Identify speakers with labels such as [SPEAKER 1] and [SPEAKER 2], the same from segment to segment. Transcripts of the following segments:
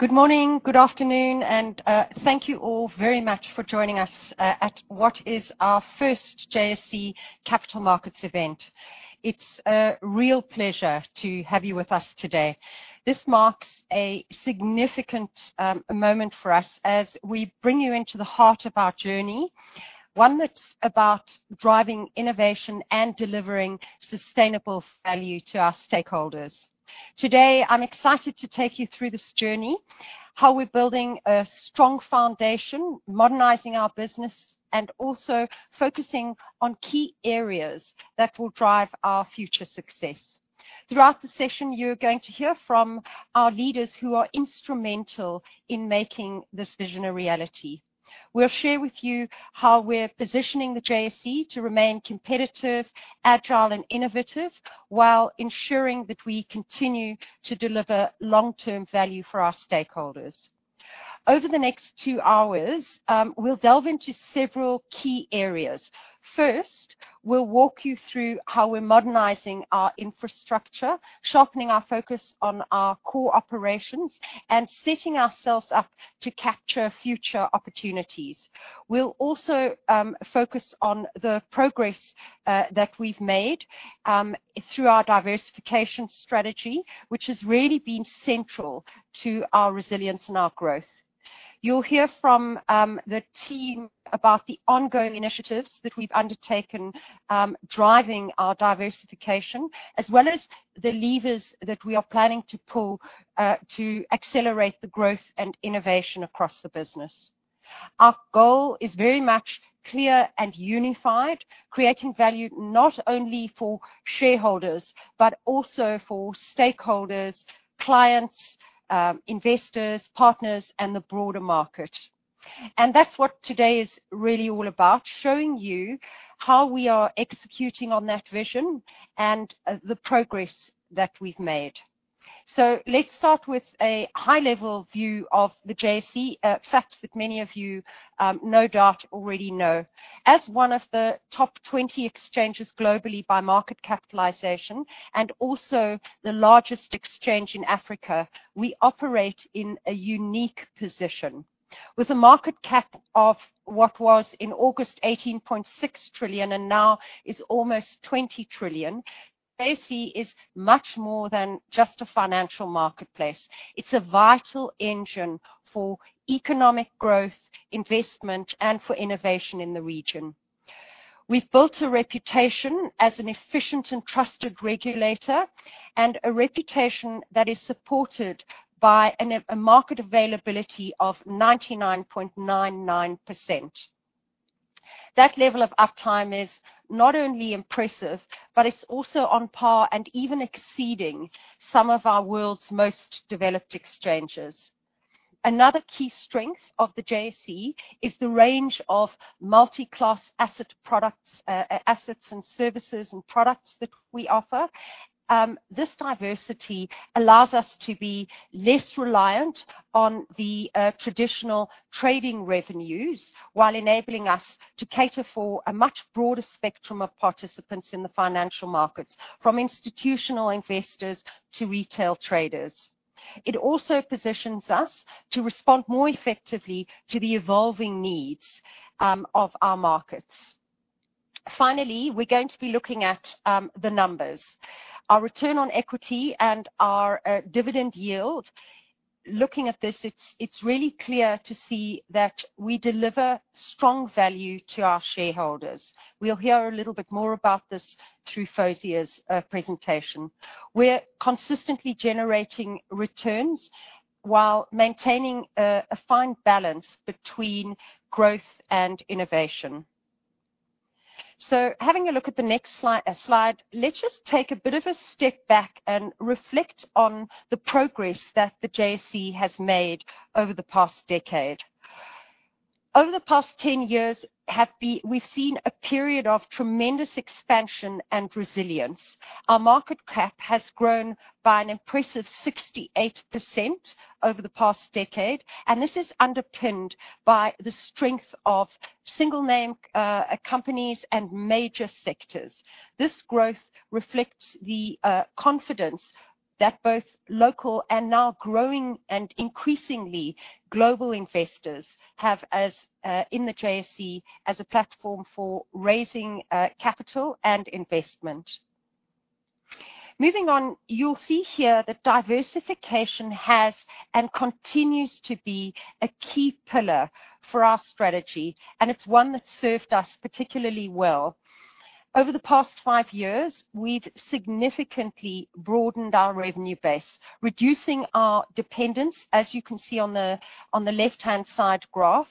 [SPEAKER 1] Good morning, good afternoon, and thank you all very much for joining us at what is our first JSE Capital Markets event. It's a real pleasure to have you with us today. This marks a significant moment for us as we bring you into the heart of our journey, one that's about driving innovation and delivering sustainable value to our stakeholders. Today, I'm excited to take you through this journey, how we're building a strong foundation, modernizing our business, and also focusing on key areas that will drive our future success. Throughout the session, you're going to hear from our leaders who are instrumental in making this vision a reality. We'll share with you how we're positioning the JSE to remain competitive, agile, and innovative, while ensuring that we continue to deliver long-term value for our stakeholders. Over the next two hours, we'll delve into several key areas. First, we'll walk you through how we're modernizing our infrastructure, sharpening our focus on our core operations, and setting ourselves up to capture future opportunities. We'll also focus on the progress that we've made through our diversification strategy, which has really been central to our resilience and our growth. You'll hear from the team about the ongoing initiatives that we've undertaken driving our diversification, as well as the levers that we are planning to pull to accelerate the growth and innovation across the business. Our goal is very much clear and unified, creating value not only for shareholders, but also for stakeholders, clients, investors, partners, and the broader market. And that's what today is really all about, showing you how we are executing on that vision and the progress that we've made. So let's start with a high-level view of the JSE, facts that many of you no doubt already know. As one of the top 20 exchanges globally by market capitalization, and also the largest exchange in Africa, we operate in a unique position. With a market cap of what was, in August, 18.6 trillion, and now is almost 20 trillion, JSE is much more than just a financial marketplace. It's a vital engine for economic growth, investment, and for innovation in the region. We've built a reputation as an efficient and trusted regulator, and a reputation that is supported by a market availability of 99.99%. That level of uptime is not only impressive, but it's also on par and even exceeding some of our world's most developed exchanges. Another key strength of the JSE is the range of multi-class asset products, assets and services and products that we offer. This diversity allows us to be less reliant on the traditional trading revenues, while enabling us to cater for a much broader spectrum of participants in the financial markets, from institutional investors to retail traders. It also positions us to respond more effectively to the evolving needs of our markets. Finally, we're going to be looking at the numbers. Our return on equity and our dividend yield. Looking at this, it's really clear to see that we deliver strong value to our shareholders. We'll hear a little bit more about this through Fawzia's presentation. We're consistently generating returns while maintaining a fine balance between growth and innovation. Having a look at the next slide, let's just take a bit of a step back and reflect on the progress that the JSE has made over the past decade. Over the past 10 years, we've seen a period of tremendous expansion and resilience. Our market cap has grown by an impressive 68% over the past decade, and this is underpinned by the strength of single name companies and major sectors. This growth reflects the confidence that both local and now growing and increasingly global investors have in the JSE, as a platform for raising capital and investment. Moving on, you'll see here that diversification has and continues to be a key pillar for our strategy, and it's one that's served us particularly well. Over the past five years, we've significantly broadened our revenue base, reducing our dependence, as you can see on the left-hand side graph,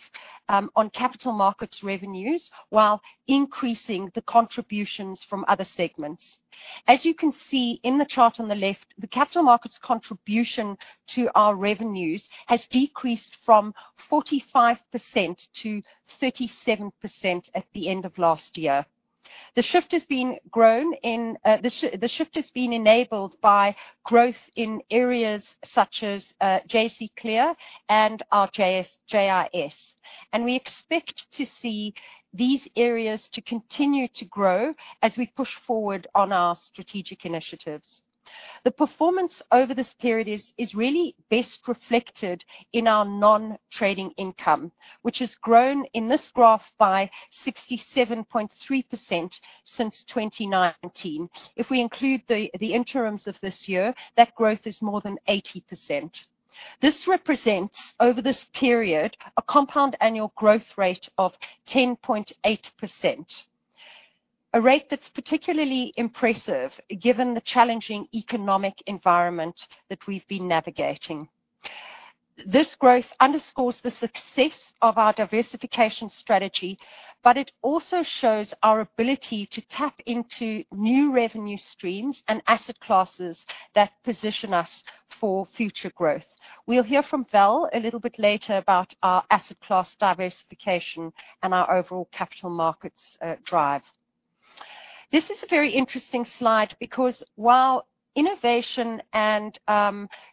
[SPEAKER 1] on capital markets revenues, while increasing the contributions from other segments. As you can see in the chart on the left, the capital markets' contribution to our revenues has decreased from 45% to 37% at the end of last year. The shift has been enabled by growth in areas such as JSE Clear and our JIS, and we expect to see these areas to continue to grow as we push forward on our strategic initiatives. The performance over this period is really best reflected in our non-trading income, which has grown in this graph by 67.3% since 2019. If we include the interims of this year, that growth is more than 80%. This represents, over this period, a compound annual growth rate of 10.8%. A rate that's particularly impressive given the challenging economic environment that we've been navigating. This growth underscores the success of our diversification strategy, but it also shows our ability to tap into new revenue streams and asset classes that position us for future growth. We'll hear from Val a little bit later about our asset class diversification and our overall capital markets drive. This is a very interesting slide because while innovation and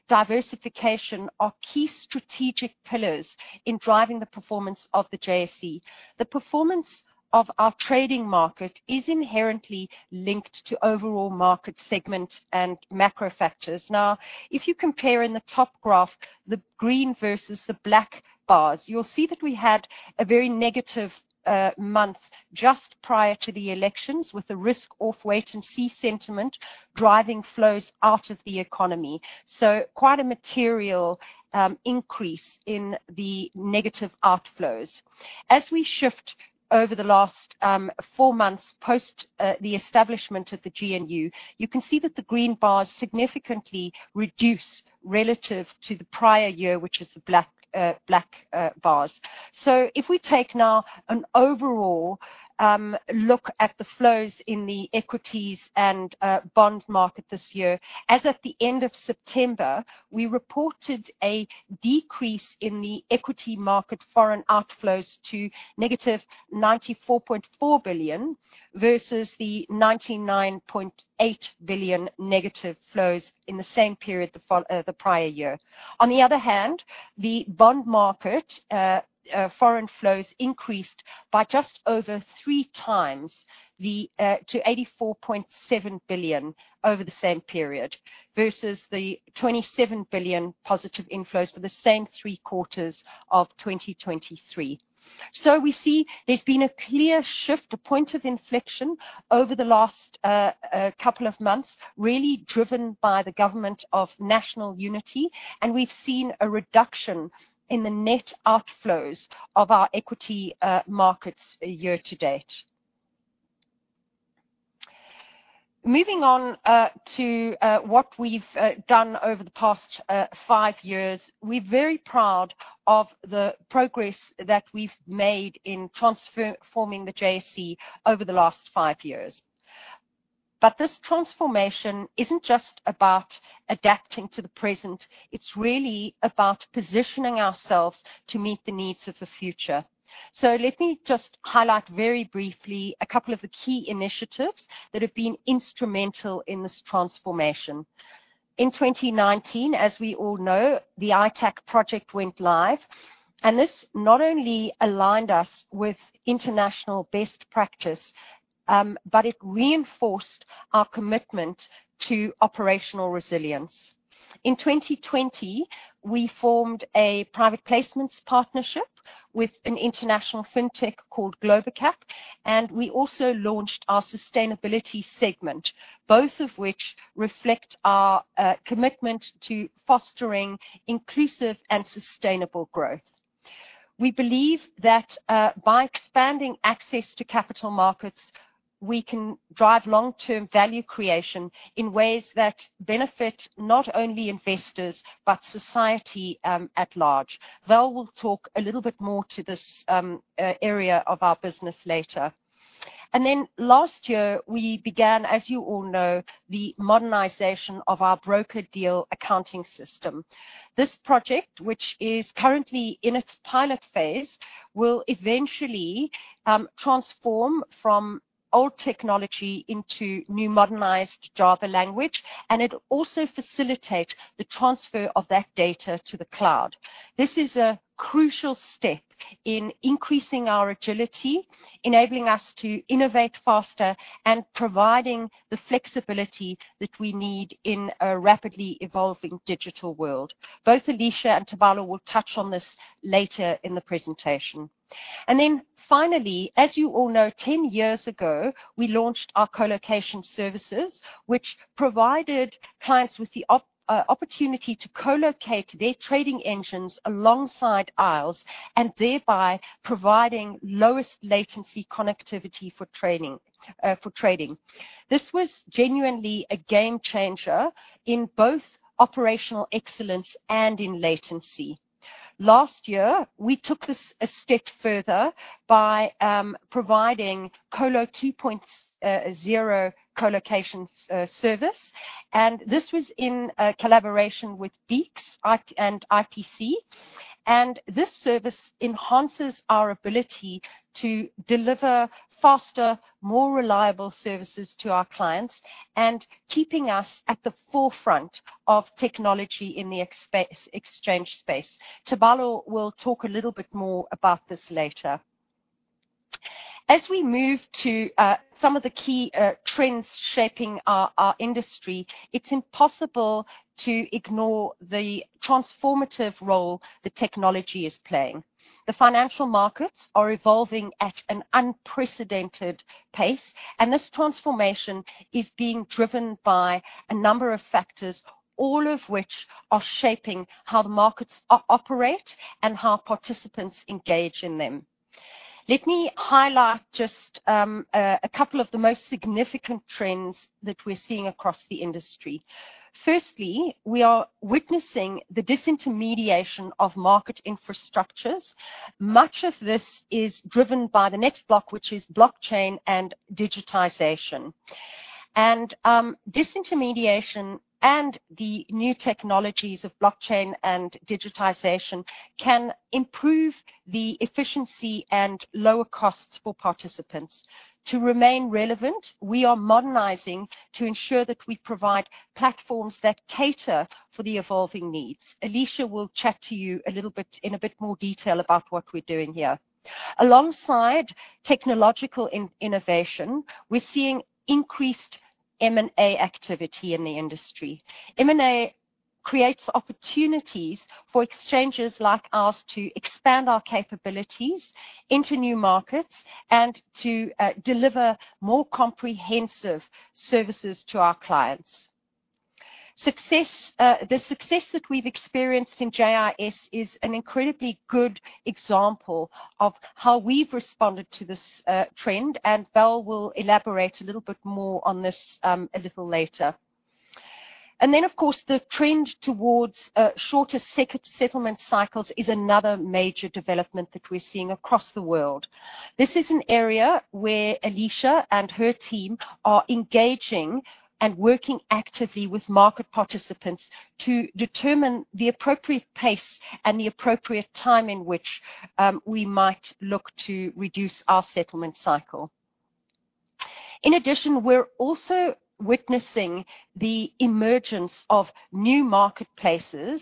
[SPEAKER 1] diversification are key strategic pillars in driving the performance of the JSE, the performance of our trading market is inherently linked to overall market segments and macro factors. Now, if you compare in the top graph, the green versus the black bars, you'll see that we had a very negative month just prior to the elections, with the risk of wait-and-see sentiment driving flows out of the economy. So quite a material increase in the negative outflows. As we shift over the last four months, post the establishment of the GNU, you can see that the green bars significantly reduce relative to the prior year, which is the black bars. So if we take now an overall look at the flows in the equities and bond market this year. As at the end of September, we reported a decrease in the equity market, foreign outflows to -94.4 billion, versus the 99.8 billion negative flows in the same period the prior year. On the other hand, the bond market, foreign flows increased by just over 3x to 84.7 billion over the same period, versus the 27 billion positive inflows for the same three quarters of 2023. So we see there's been a clear shift, a point of inflection over the last couple of months, really driven by the Government of National Unity, and we've seen a reduction in the net outflows of our equity markets year to date. Moving on to what we've done over the past five years. We're very proud of the progress that we've made in transforming the JSE over the last five years. But this transformation isn't just about adapting to the present, it's really about positioning ourselves to meet the needs of the future. So let me just highlight very briefly a couple of the key initiatives that have been instrumental in this transformation. In 2019, as we all know, the ITaC project went live, and this not only aligned us with international best practice, but it reinforced our commitment to operational resilience. In 2020, we formed a private placements partnership with an international fintech called Globacap, and we also launched our Sustainability Segment, both of which reflect our commitment to fostering inclusive and sustainable growth. We believe that by expanding access to capital markets, we can drive long-term value creation in ways that benefit not only investors, but society at large. Val will talk a little bit more to this area of our business later. And then last year, we began, as you all know, the modernization of our Broker Deal Accounting system. This project, which is currently in its pilot phase, will eventually transform from old technology into new modernized Java language, and it'll also facilitate the transfer of that data to the cloud. This is a crucial step in increasing our agility, enabling us to innovate faster, and providing the flexibility that we need in a rapidly evolving digital world. Both Alicia and Tebalo will touch on this later in the presentation. Then finally, as you all know, 10 years ago, we launched our colocation services, which provided clients with the opportunity to colocate their trading engines alongside [IaaS], and thereby providing lowest latency connectivity for trading. This was genuinely a game changer in both operational excellence and in latency. Last year, we took this a step further by providing Colo 2.0 colocation service, and this was in a collaboration with Beeks & IPC. And this service enhances our ability to deliver faster, more reliable services to our clients, and keeping us at the forefront of technology in the exchange space. Tebalo will talk a little bit more about this later. As we move to some of the key trends shaping our industry, it's impossible to ignore the transformative role that technology is playing. The financial markets are evolving at an unprecedented pace, and this transformation is being driven by a number of factors, all of which are shaping how the markets operate and how participants engage in them. Let me highlight just a couple of the most significant trends that we're seeing across the industry. Firstly, we are witnessing the disintermediation of market infrastructures. Much of this is driven by the next block, which is blockchain and digitization. Disintermediation and the new technologies of blockchain and digitization can improve the efficiency and lower costs for participants. To remain relevant, we are modernizing to ensure that we provide platforms that cater for the evolving needs. Alicia will chat to you a little bit, in a bit more detail about what we're doing here. Alongside technological innovation, we're seeing increased M&A activity in the industry. M&A creates opportunities for exchanges like ours to expand our capabilities into new markets and to deliver more comprehensive services to our clients. The success that we've experienced in JIS is an incredibly good example of how we've responded to this trend, and Val will elaborate a little bit more on this a little later. And then, of course, the trend towards shorter settlement cycles is another major development that we're seeing across the world. This is an area where Alicia and her team are engaging and working actively with market participants to determine the appropriate pace and the appropriate time in which we might look to reduce our settlement cycle. In addition, we're also witnessing the emergence of new marketplaces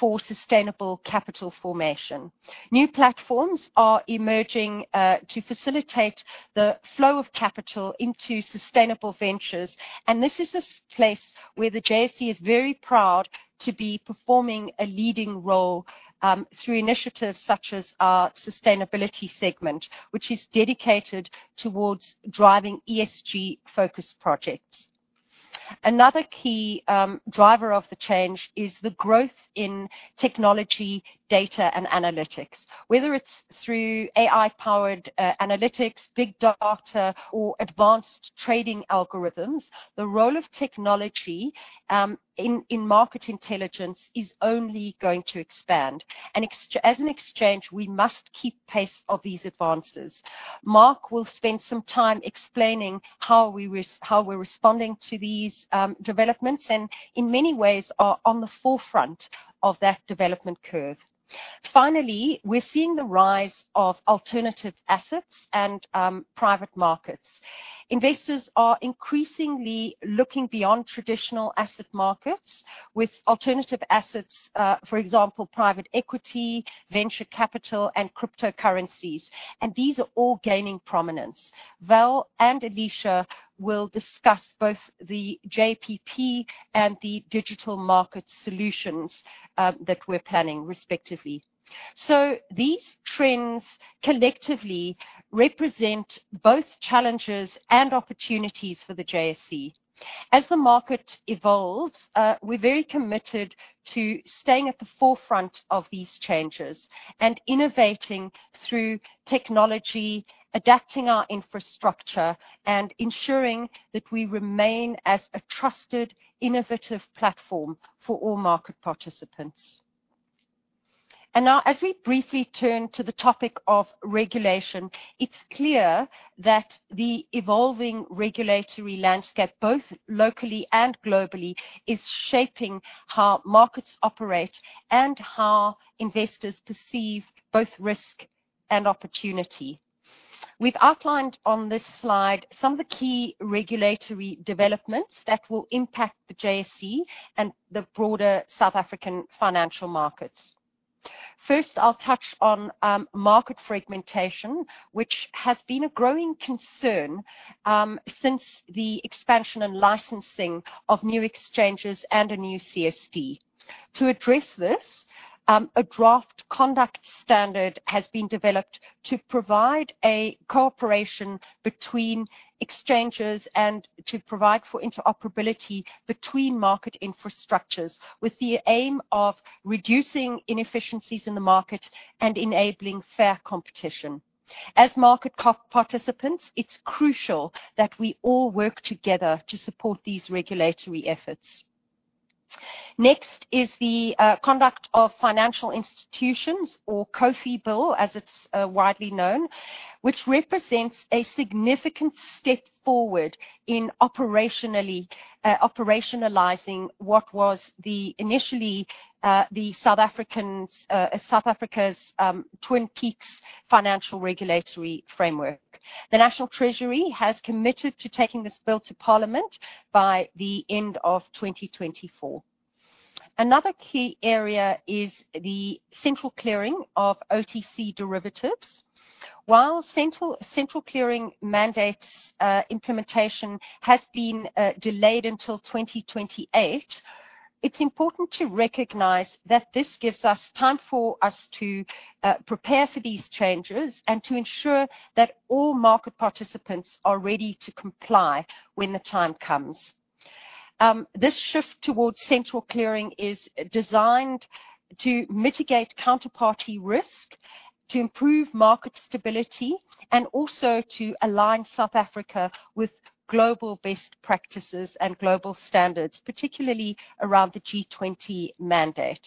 [SPEAKER 1] for sustainable capital formation. New platforms are emerging to facilitate the flow of capital into sustainable ventures, and this is a place where the JSE is very proud to be performing a leading role through initiatives such as our Sustainability Segment, which is dedicated towards driving ESG-focused projects. Another key driver of the change is the growth in technology, data, and analytics. Whether it's through AI-powered analytics, big data, or advanced trading algorithms, the role of technology in market intelligence is only going to expand. And as an exchange, we must keep pace of these advances. Mark will spend some time explaining how we're responding to these developments, and in many ways, are on the forefront of that development curve. Finally, we're seeing the rise of alternative assets and private markets. Investors are increasingly looking beyond traditional asset markets with alternative assets for example, private equity, venture capital, and cryptocurrencies, and these are all gaining prominence. Val and Alicia will discuss both the JPP and the digital market solutions that we're planning, respectively. So these trends collectively represent both challenges and opportunities for the JSE. As the market evolves, we're very committed to staying at the forefront of these changes and innovating through technology, adapting our infrastructure, and ensuring that we remain as a trusted, innovative platform for all market participants. And now, as we briefly turn to the topic of regulation, it's clear that the evolving regulatory landscape, both locally and globally, is shaping how markets operate and how investors perceive both risk and opportunity. We've outlined on this slide some of the key regulatory developments that will impact the JSE and the broader South African financial markets. First, I'll touch on market fragmentation, which has been a growing concern since the expansion and licensing of new exchanges and a new CSD. To address this, a draft conduct standard has been developed to provide a cooperation between exchanges and to provide for interoperability between market infrastructures, with the aim of reducing inefficiencies in the market and enabling fair competition. As market co-participants, it's crucial that we all work together to support these regulatory efforts. Next is the Conduct of Financial Institutions, or CoFI Bill, as it's widely known, which represents a significant step forward in operationalizing what was initially the South Africa's Twin Peaks financial regulatory framework. The National Treasury has committed to taking this bill to Parliament by the end of 2024. Another key area is the central clearing of OTC derivatives. While central clearing mandates implementation has been delayed until 2028, it's important to recognize that this gives us time for us to prepare for these changes and to ensure that all market participants are ready to comply when the time comes. This shift towards central clearing is designed to mitigate counterparty risk, to improve market stability, and also to align South Africa with global best practices and global standards, particularly around the G20 mandate.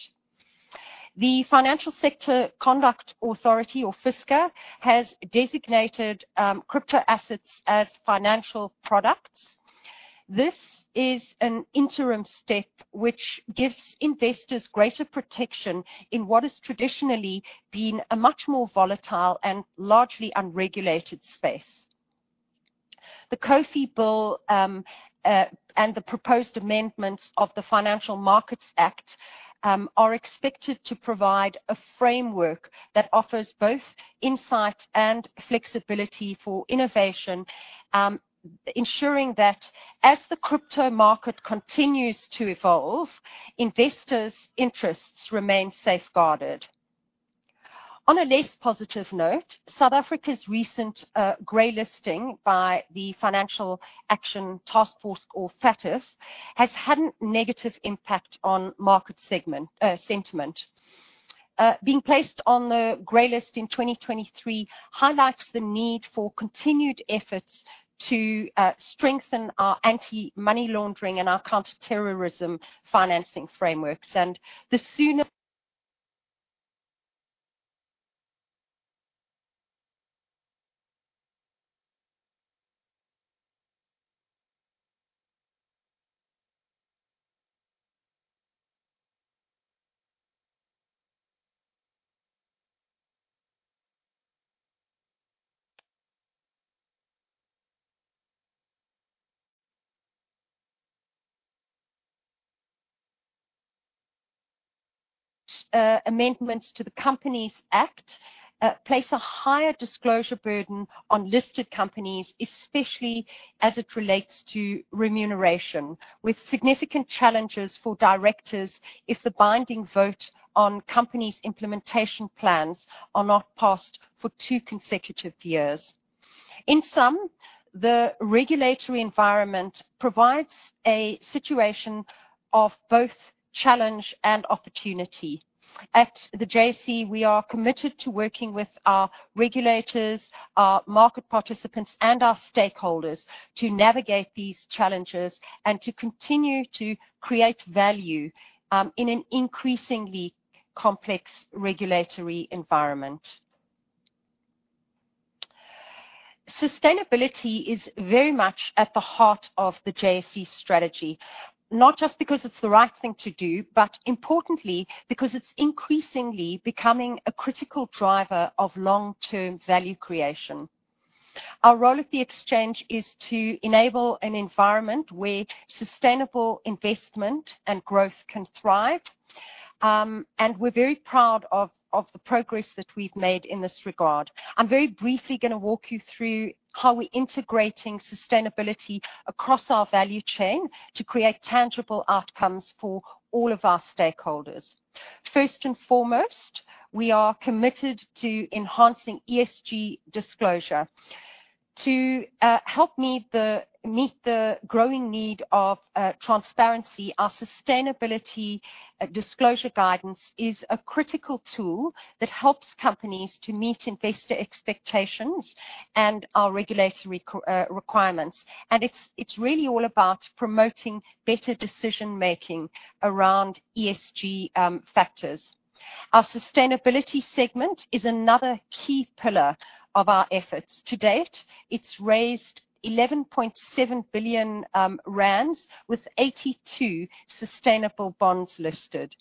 [SPEAKER 1] The Financial Sector Conduct Authority, or FSCA, has designated crypto assets as financial products. This is an interim step which gives investors greater protection in what has traditionally been a much more volatile and largely unregulated space. The CoFI Bill, and the proposed amendments of the Financial Markets Act, are expected to provide a framework that offers both insight and flexibility for innovation, ensuring that as the crypto market continues to evolve, investors' interests remain safeguarded. On a less positive note, South Africa's recent gray listing by the Financial Action Task Force, or FATF, has had a negative impact on market sentiment. Being placed on the gray list in 2023 highlights the need for continued efforts to strengthen our anti-money laundering and our counter-terrorism financing frameworks. And amendments to the Companies Act place a higher disclosure burden on listed companies, especially as it relates to remuneration, with significant challenges for directors if the binding vote on companies' implementation plans are not passed for two consecutive years. In sum, the regulatory environment provides a situation of both challenge and opportunity. At the JSE, we are committed to working with our regulators, our market participants, and our stakeholders to navigate these challenges and to continue to create value in an increasingly complex regulatory environment. Sustainability is very much at the heart of the JSE strategy, not just because it's the right thing to do, but importantly because it's increasingly becoming a critical driver of long-term value creation. Our role at the exchange is to enable an environment where sustainable investment and growth can thrive, and we're very proud of the progress that we've made in this regard. I'm very briefly going to walk you through how we're integrating sustainability across our value chain to create tangible outcomes for all of our stakeholders. First and foremost, we are committed to enhancing ESG disclosure. To help meet the growing need of transparency, our Sustainability Disclosure Guidance is a critical tool that helps companies to meet investor expectations and our regulatory requirements. And it's really all about promoting better decision-making around ESG factors. Our Sustainability Segment is another key pillar of our efforts. To date, it's raised 11.7 billion rand, with 82 sustainable bonds listed.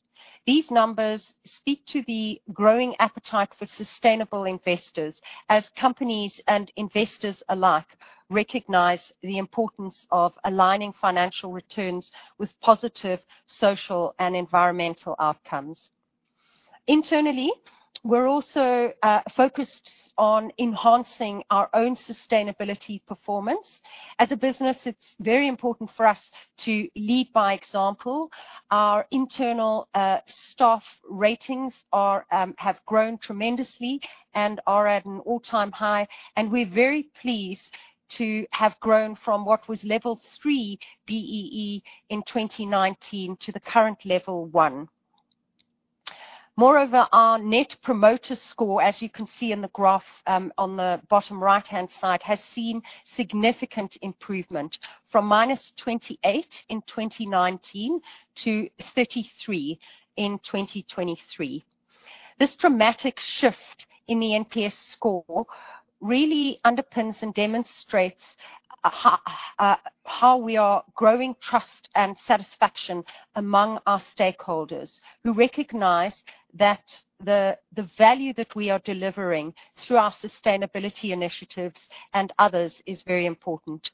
[SPEAKER 1] These numbers speak to the growing appetite for sustainable investors, as companies and investors alike recognize the importance of aligning financial returns with positive social and environmental outcomes. Internally, we're also focused on enhancing our own sustainability performance. As a business, it's very important for us to lead by example. Our internal staff ratings have grown tremendously and are at an all-time high, and we're very pleased to have grown from what was Level 3 BEE in 2019 to the current Level 1. Moreover, our Net Promoter Score, as you can see in the graph on the bottom right-hand side, has seen significant improvement, from -28 in 2019 to 33 in 2023. This dramatic shift in the NPS score really underpins and demonstrates how we are growing trust and satisfaction among our stakeholders, who recognize that the value that we are delivering through our sustainability initiatives and others is very important.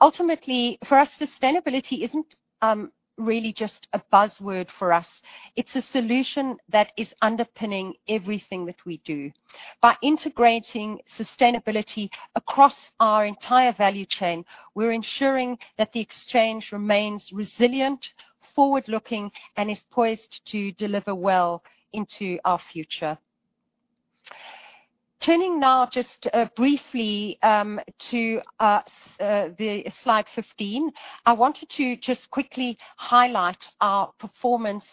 [SPEAKER 1] Ultimately, for us, sustainability isn't really just a buzzword for us. It's a solution that is underpinning everything that we do. By integrating sustainability across our entire value chain, we're ensuring that the exchange remains resilient, forward-looking, and is poised to deliver well into our future. Turning now just briefly to the slide 15, I wanted to just quickly highlight our performance,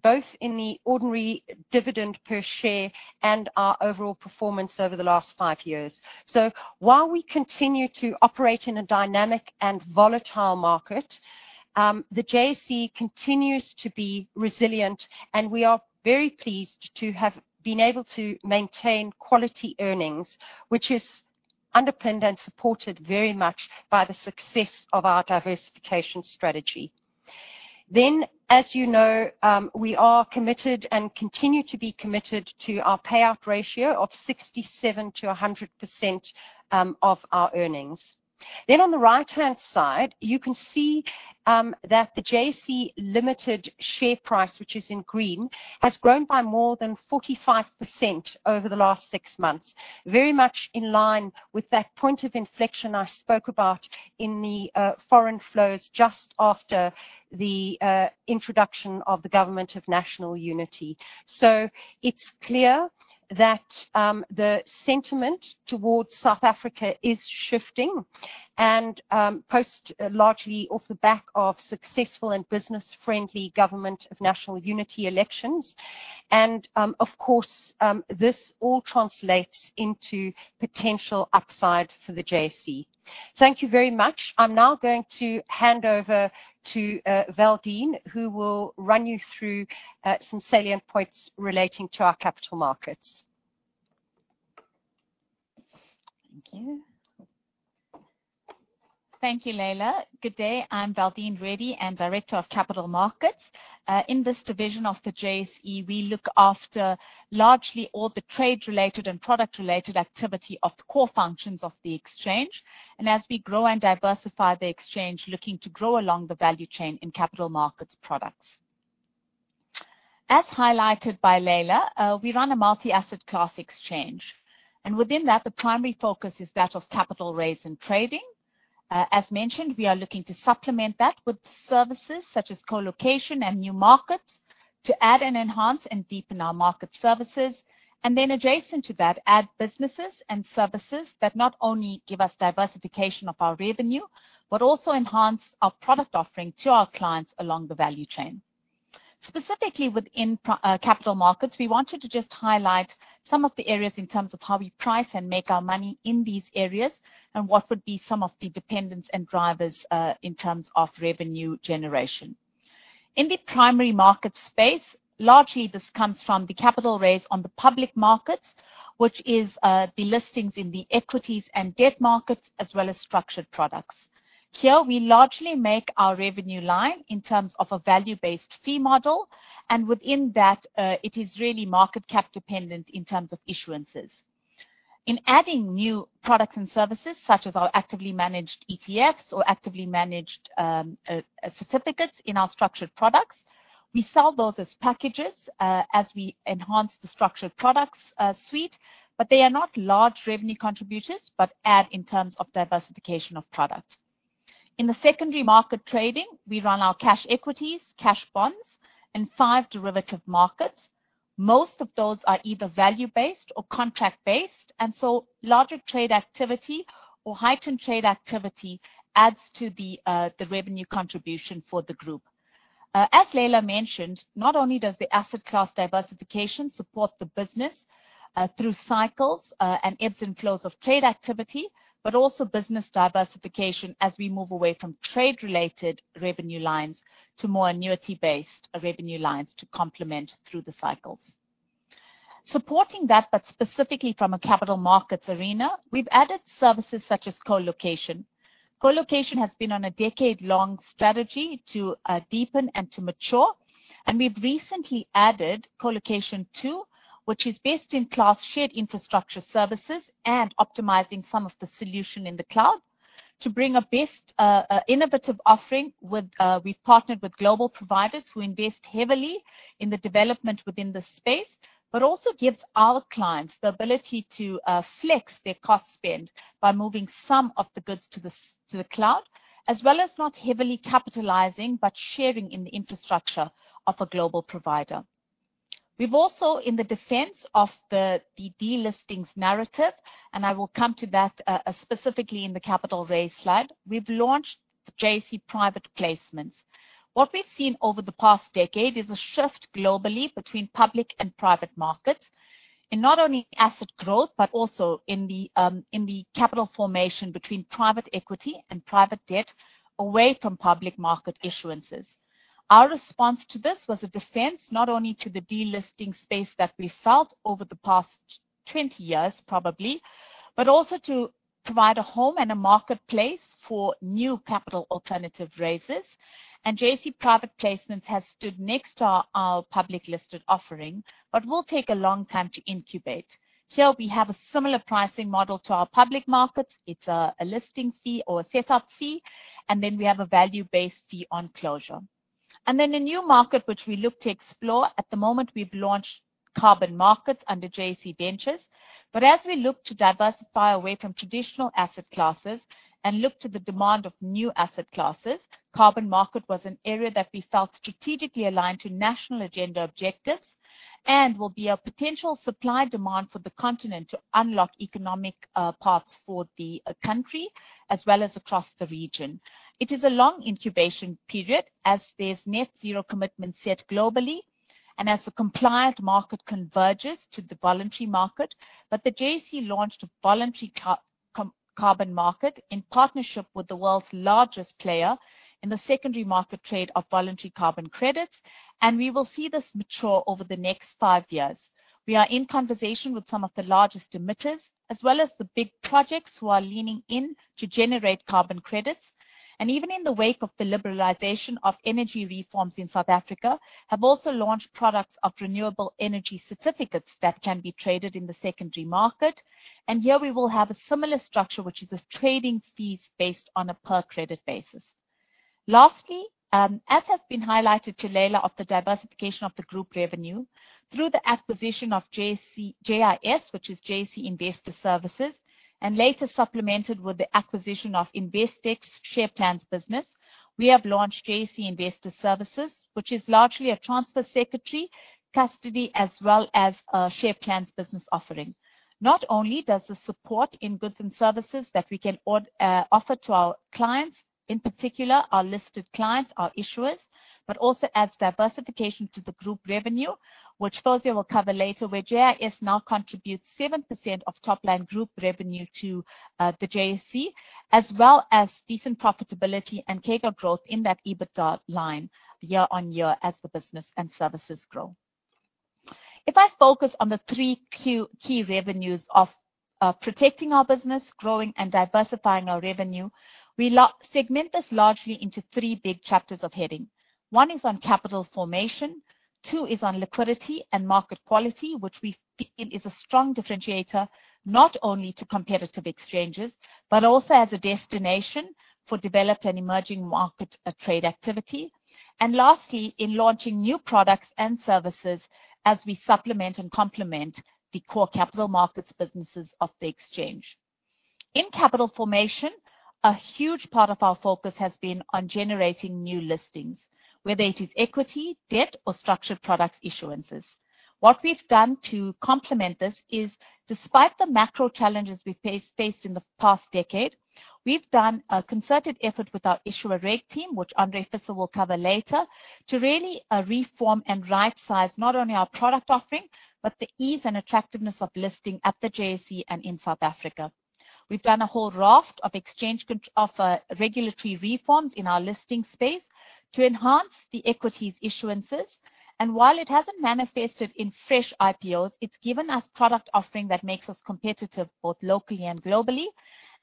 [SPEAKER 1] both in the ordinary dividend per share and our overall performance over the last five years. So while we continue to operate in a dynamic and volatile market, the JSE continues to be resilient, and we are very pleased to have been able to maintain quality earnings, which is underpinned and supported very much by the success of our diversification strategy. Then, as you know, we are committed and continue to be committed to our payout ratio of 67%-100% of our earnings. Then on the right-hand side, you can see that the JSE Limited share price, which is in green, has grown by more than 45% over the last six months, very much in line with that point of inflection I spoke about in the foreign flows just after the introduction of the Government of National Unity. So it's clear that the sentiment towards South Africa is shifting, and post largely off the back of successful and business-friendly Government of National Unity elections. And of course this all translates into potential upside for the JSE. Thank you very much. I'm now going to hand over to Valdene, who will run you through some salient points relating to our capital markets.
[SPEAKER 2] Thank you. Thank you, Leila. Good day, I'm Valdene Reddy, I'm Director of Capital Markets. In this division of the JSE, we look after largely all the trade-related and product-related activity of the core functions of the exchange, and as we grow and diversify the exchange, looking to grow along the value chain in capital markets products. As highlighted by Leila, we run a multi-asset class exchange, and within that, the primary focus is that of capital raise and trading. As mentioned, we are looking to supplement that with services such as colocation and new markets, to add and enhance and deepen our market services, and then adjacent to that, add businesses and services that not only give us diversification of our revenue, but also enhance our product offering to our clients along the value chain. Specifically within capital markets, we wanted to just highlight some of the areas in terms of how we price and make our money in these areas, and what would be some of the dependencies and drivers in terms of revenue generation. In the primary market space, largely this comes from the capital raise on the public markets, which is the listings in the equities and debt markets, as well as structured products. Here, we largely make our revenue line in terms of a value-based fee model, and within that, it is really market cap dependent in terms of issuances. In adding new products and services, such as our actively managed ETFs or actively managed certificates in our structured products, we sell those as packages, as we enhance the structured products suite, but they are not large revenue contributors, but add in terms of diversification of product. In the secondary market trading, we run our cash equities, cash bonds, and five derivative markets. Most of those are either value-based or contract-based, and so larger trade activity or heightened trade activity adds to the revenue contribution for the group. As Leila mentioned, not only does the asset class diversification support the business through cycles and ebbs and flows of trade activity, but also business diversification as we move away from trade-related revenue lines to more annuity-based revenue lines to complement through the cycles. Supporting that, but specifically from a capital markets arena, we've added services such as colocation. Colocation has been on a decade-long strategy to deepen and to mature, and we've recently added Colocation 2, which is best-in-class shared infrastructure services and optimizing some of the solution in the cloud. To bring a best innovative offering with, we've partnered with global providers who invest heavily in the development within this space, but also gives our clients the ability to flex their cost spend by moving some of the goods to the cloud, as well as not heavily capitalizing, but sharing in the infrastructure of a global provider. We've also, in the defense of the delistings narrative, and I will come to that, specifically in the capital raise slide, we've launched the JSE Private Placements. What we've seen over the past decade is a shift globally between public and private markets, in not only asset growth, but also in the capital formation between private equity and private debt away from public market issuances. Our response to this was a defense, not only to the delisting space that we felt over the past 20 years, probably, but also to provide a home and a marketplace for new capital alternative raises, and JSE Private Placements has stood next to our public listed offering, but will take a long time to incubate. Here we have a similar pricing model to our public markets. It's a listing fee or a set up fee, and then we have a value-based fee on closure. Then a new market, which we look to explore. At the moment, we've launched carbon markets under JSE Ventures. But as we look to diversify away from traditional asset classes and look to the demand of new asset classes, carbon market was an area that we felt strategically aligned to national agenda objectives, and will be a potential supply demand for the continent to unlock economic paths for the country, as well as across the region. It is a long incubation period as there's net zero commitment set globally, and as the compliant market converges to the voluntary market. But the JSE launched a voluntary carbon market in partnership with the world's largest player in the secondary market trade of voluntary carbon credits, and we will see this mature over the next five years. We are in conversation with some of the largest emitters, as well as the big projects who are leaning in to generate carbon credits. And even in the wake of the liberalization of energy reforms in South Africa, have also launched products of Renewable Energy Certificates that can be traded in the secondary market. And here we will have a similar structure, which is this trading fees based on a per credit basis. Lastly, as has been highlighted to Leila of the diversification of the group revenue, through the acquisition of JSE-JIS, which is JSE Investor Services, and later supplemented with the acquisition of Investec's Share Plans business, we have launched JSE Investor Services, which is largely a transfer secretary, custody, as well as a Share Plans business offering. Not only does the support in goods and services that we can offer to our clients, in particular our listed clients, our issuers, but also adds diversification to the group revenue, which Fawzia will cover later, where JIS now contributes 7% of top line group revenue to the JSE, as well as decent profitability and CAGR growth in that EBITDA line year-on-year as the business and services grow. If I focus on the three key revenues of protecting our business, growing and diversifying our revenue, we segment this largely into three big chapters of heading. One is on capital formation, two is on liquidity and market quality, which we feel is a strong differentiator, not only to competitive exchanges, but also as a destination for developed and emerging market trade activity. And lastly, in launching new products and services as we supplement and complement the core capital markets businesses of the exchange. In capital formation, a huge part of our focus has been on generating new listings, whether it is equity, debt, or structured product issuances. What we've done to complement this is, despite the macro challenges we faced in the past decade, we've done a concerted effort with our Issuer Reg team, which Andre will cover later, to really reform and rightsize not only our product offering, but the ease and attractiveness of listing at the JSE and in South Africa. We've done a whole raft of exchange offer regulatory reforms in our listing space to enhance the equities issuances. And while it hasn't manifested in fresh IPOs, it's given us product offering that makes us competitive both locally and globally.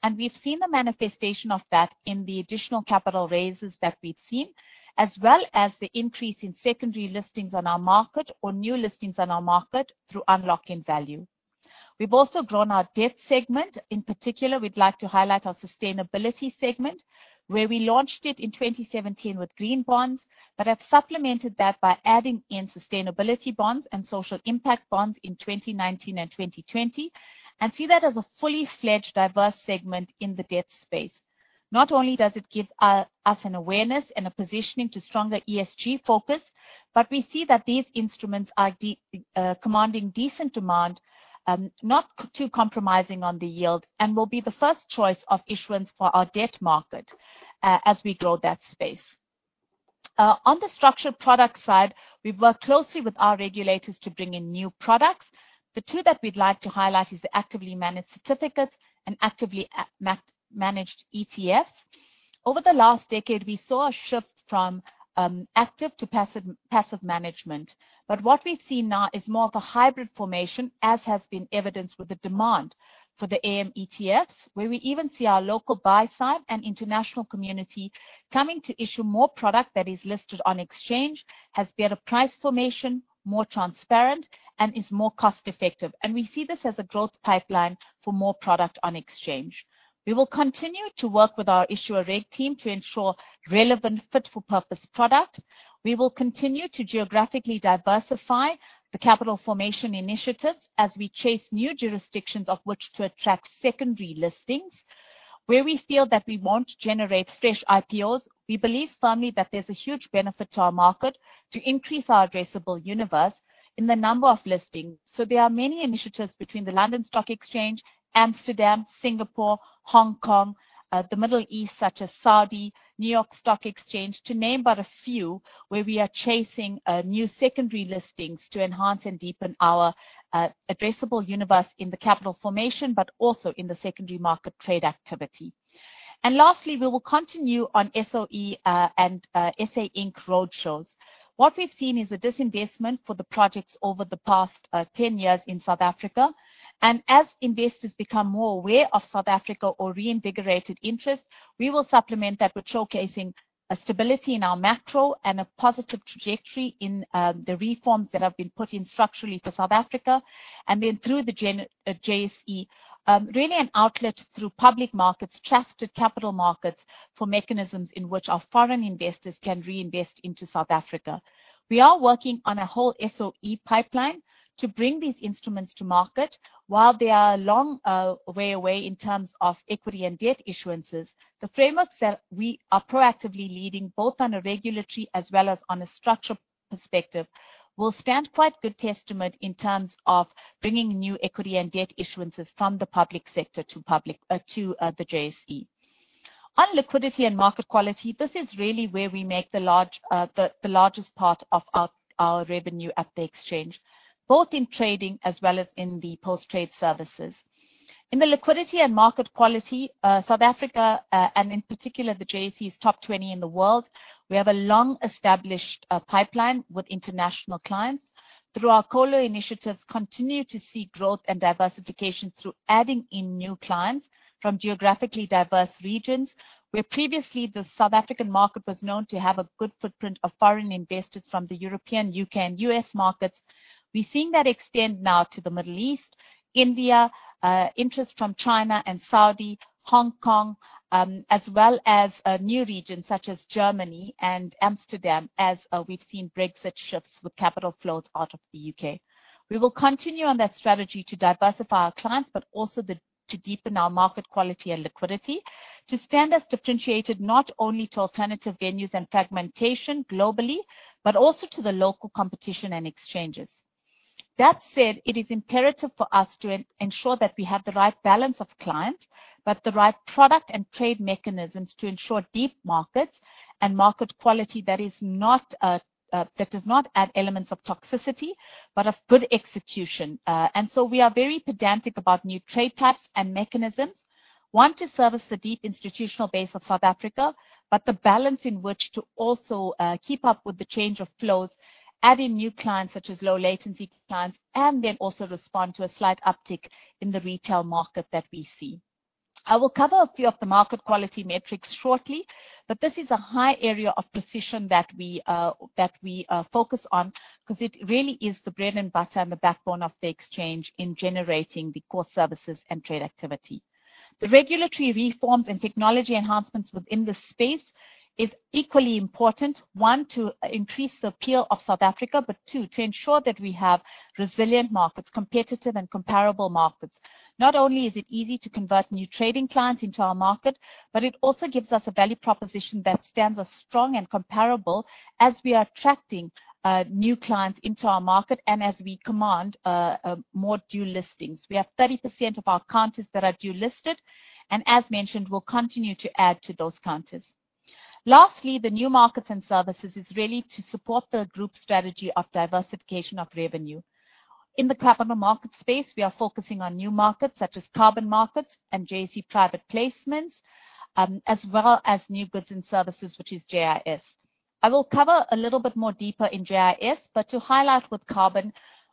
[SPEAKER 2] And we've seen the manifestation of that in the additional capital raises that we've seen, as well as the increase in secondary listings on our market or new listings on our market through unlocking value. We've also grown our debt segment. In particular, we'd like to highlight our Sustainability Segment, where we launched it in 2017 with Green Bond, but have supplemented that by adding in sustainability bonds and social impact bonds in 2019 and 2020, and see that as a fully fledged, diverse segment in the debt space. Not only does it give us an awareness and a positioning to stronger ESG focus, but we see that these instruments are commanding decent demand, not too compromising on the yield, and will be the first choice of issuance for our debt market, as we grow that space. On the structured product side, we've worked closely with our regulators to bring in new products. The two that we'd like to highlight is the Actively Managed Certificates and Actively Managed ETFs. Over the last decade, we saw a shift from active to passive management. But what we see now is more of a hybrid formation, as has been evidenced with the demand for the AM ETFs, where we even see our local buy side and international community coming to issue more product that is listed on exchange, has better price formation, more transparent, and is more cost effective, and we see this as a growth pipeline for more product on exchange. We will continue to work with our issuer reg team to ensure relevant, fit-for-purpose product. We will continue to geographically diversify the capital formation initiative as we chase new jurisdictions of which to attract secondary listings. Where we feel that we won't generate fresh IPOs, we believe firmly that there's a huge benefit to our market to increase our addressable universe in the number of listings, so there are many initiatives between the London Stock Exchange, Amsterdam, Singapore, Hong Kong, the Middle East, such as Saudi, New York Stock Exchange, to name but a few, where we are chasing new secondary listings to enhance and deepen our addressable universe in the capital formation, but also in the secondary market trade activity, and lastly, we will continue on SOE and SA Inc. roadshows. What we've seen is a disinvestment for the projects over the past 10 years in South Africa. As investors become more aware of South Africa or reinvigorated interest, we will supplement that with showcasing a stability in our macro and a positive trajectory in the reforms that have been put in structurally for South Africa, and then through the JSE. Really an outlet through public markets, trusted capital markets, for mechanisms in which our foreign investors can reinvest into South Africa. We are working on a whole SOE pipeline to bring these instruments to market. While they are a long way away in terms of equity and debt issuances, the frameworks that we are proactively leading, both on a regulatory as well as on a structural perspective, will stand quite good testament in terms of bringing new equity and debt issuances from the public sector to public to the JSE. On liquidity and market quality, this is really where we make the largest part of our revenue at the exchange, both in trading as well as in the Post-Trade Services. In the liquidity and market quality, South Africa, and in particular, the JSE is top 20 in the world, we have a long-established pipeline with international clients. Through our Colo initiatives, continue to see growth and diversification through adding in new clients from geographically diverse regions. Where previously the South African market was known to have a good footprint of foreign investors from the European, U.K., and U.S. markets, we're seeing that extend now to the Middle East, India, interest from China and Saudi, Hong Kong, as well as new regions such as Germany and Amsterdam, as we've seen Brexit shifts with capital flows out of the U.K. We will continue on that strategy to diversify our clients, but also to deepen our market quality and liquidity, to stand us differentiated not only to alternative venues and fragmentation globally, but also to the local competition and exchanges. That said, it is imperative for us to ensure that we have the right balance of client, but the right product and trade mechanisms to ensure deep markets and market quality that is not, that does not add elements of toxicity, but of good execution. And so we are very pedantic about new trade types and mechanisms. One, to service the deep institutional base of South Africa, but the balance in which to also keep up with the change of flows, add in new clients, such as low latency clients, and then also respond to a slight uptick in the retail market that we see. I will cover a few of the market quality metrics shortly, but this is a high area of precision that we focus on, 'cause it really is the bread and butter and the backbone of the exchange in generating the core services and trade activity. The regulatory reforms and technology enhancements within this space is equally important, one, to increase the appeal of South Africa, but two, to ensure that we have resilient markets, competitive and comparable markets. Not only is it easy to convert new trading clients into our market, but it also gives us a value proposition that stands as strong and comparable as we are attracting new clients into our market and as we command more dual listings. We have 30% of our counters that are dual listed, and as mentioned, we'll continue to add to those counters. Lastly, the new markets and services is really to support the group's strategy of diversification of revenue. In the carbon market space, we are focusing on new markets such as carbon markets and JSE Private Placements, as well as new goods and services, which is JIS. I will cover a little bit more deeper in JIS, but to highlight with carbon,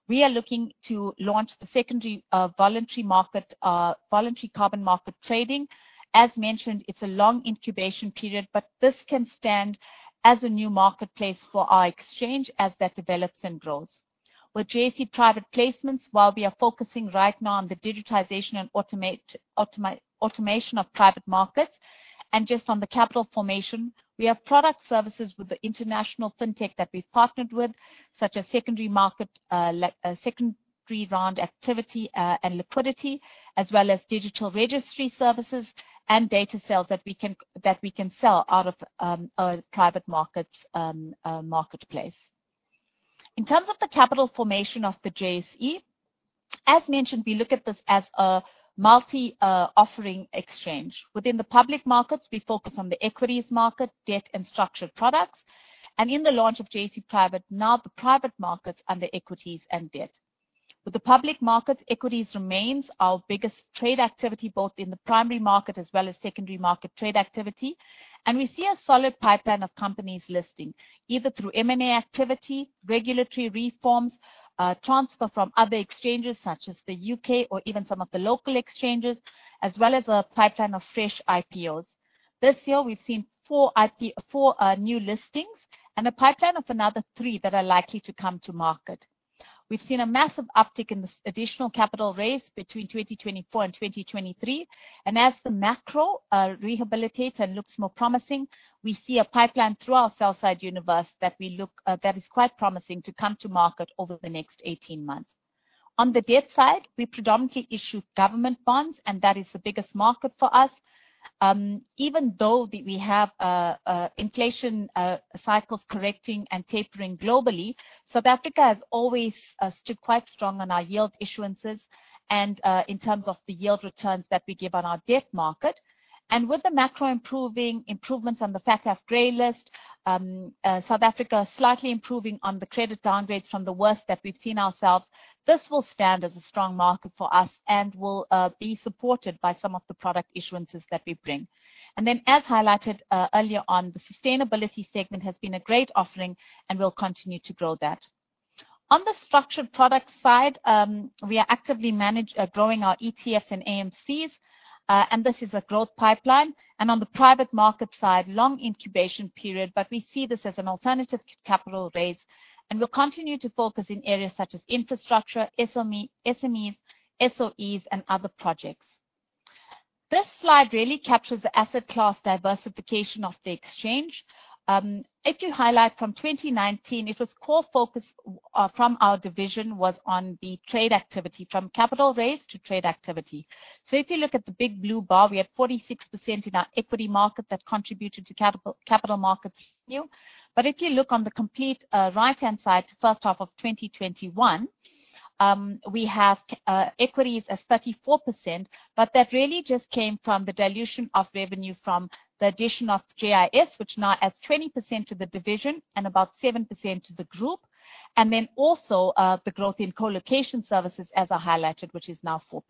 [SPEAKER 2] we are looking to launch the secondary, voluntary market, voluntary carbon market trading. As mentioned, it's a long incubation period, but this can stand as a new marketplace for our exchange as that develops and grows. With JSE Private Placements, while we are focusing right now on the digitization and automation of private markets, and just on the capital formation, we have product services with the international fintech that we've partnered with, such as secondary market, secondary round activity, and liquidity, as well as digital registry services and data sales that we can sell out of a private markets marketplace. In terms of the capital formation of the JSE, as mentioned, we look at this as a multi-offering exchange. Within the public markets, we focus on the equities market, debt, and structured products, and in the launch of JSE Private, now the private markets under equities and debt. With the public markets, equities remains our biggest trade activity, both in the primary market as well as secondary market trade activity. We see a solid pipeline of companies listing, either through M&A activity, regulatory reforms, transfer from other exchanges, such as the U.K. or even some of the local exchanges, as well as a pipeline of fresh IPOs. This year, we've seen four new listings and a pipeline of another three that are likely to come to market. We've seen a massive uptick in the secondary additional capital raise between 2024 and 2023, and as the macro rehabilitates and looks more promising, we see a pipeline through our sell-side universe that we look, that is quite promising to come to market over the next 18 months. On the debt side, we predominantly issue government bonds, and that is the biggest market for us. Even though we have inflation cycles correcting and tapering globally, South Africa has always stood quite strong on our yield issuances and in terms of the yield returns that we give on our debt market. With the macro improving, improvements on the FATF gray list, South Africa slightly improving on the credit downgrades from the worst that we've seen ourselves, this will stand as a strong market for us and will be supported by some of the product issuances that we bring. Then, as highlighted earlier on, the Sustainability Segment has been a great offering and will continue to grow that. On the structured product side, we are actively managing growing our ETFs and AMCs, and this is a growth pipeline. And on the private market side, long incubation period, but we see this as an alternative to capital raise, and we'll continue to focus in areas such as infrastructure, SMEs, SOEs, and other projects. This slide really captures the asset class diversification of the exchange. If you highlight from 2019, it was core focus, from our division, was on the trade activity, from capital raise to trade activity. So if you look at the big blue bar, we have 46% in our equity market that contributed to capital, capital markets yield. But if you look on the complete right-hand side, first half of 2021, we have equities as 34%, but that really just came from the dilution of revenue from the addition of JIS, which now adds 20% to the division and about 7% to the group, and then also the growth in colocation services as I highlighted, which is now 4%.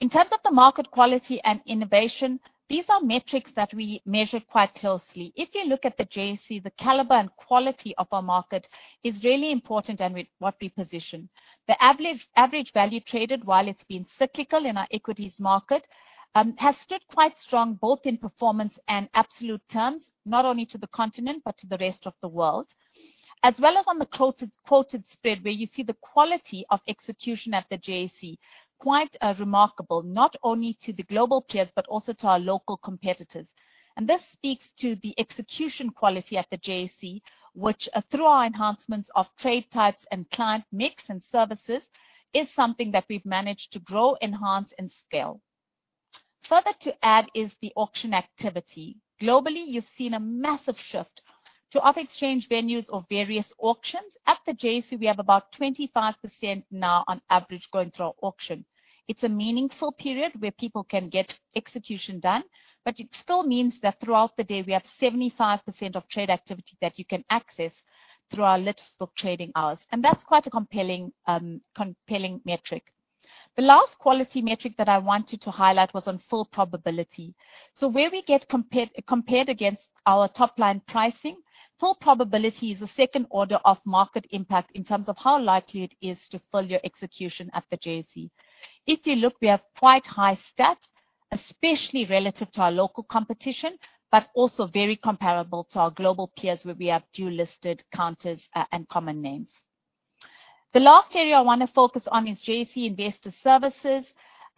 [SPEAKER 2] In terms of the market quality and innovation, these are metrics that we measure quite closely. If you look at the JSE, the caliber and quality of our market is really important and what we position. The average value traded, while it's been cyclical in our equities market, has stood quite strong, both in performance and absolute terms, not only to the continent but to the rest of the world. As well as on the quoted spread, where you see the quality of execution at the JSE, quite remarkable, not only to the global peers, but also to our local competitors. And this speaks to the execution quality at the JSE, which through our enhancements of trade types and client mix and services, is something that we've managed to grow, enhance, and scale. Further to add is the auction activity. Globally, you've seen a massive shift to off-exchange venues or various auctions. At the JSE, we have about 25% now on average, going through our auction. It's a meaningful period where people can get execution done, but it still means that throughout the day, we have 75% of trade activity that you can access through our lit trading hours, and that's quite a compelling metric. The last quality metric that I wanted to highlight was on full probability, so where we get compared against our top-line pricing, full probability is the second order of market impact in terms of how likely it is to fill your execution at the JSE. If you look, we have quite high stats, especially relative to our local competition, but also very comparable to our global peers, where we have dual-listed counters, and common names. The last area I want to focus on is JSE Investor Services.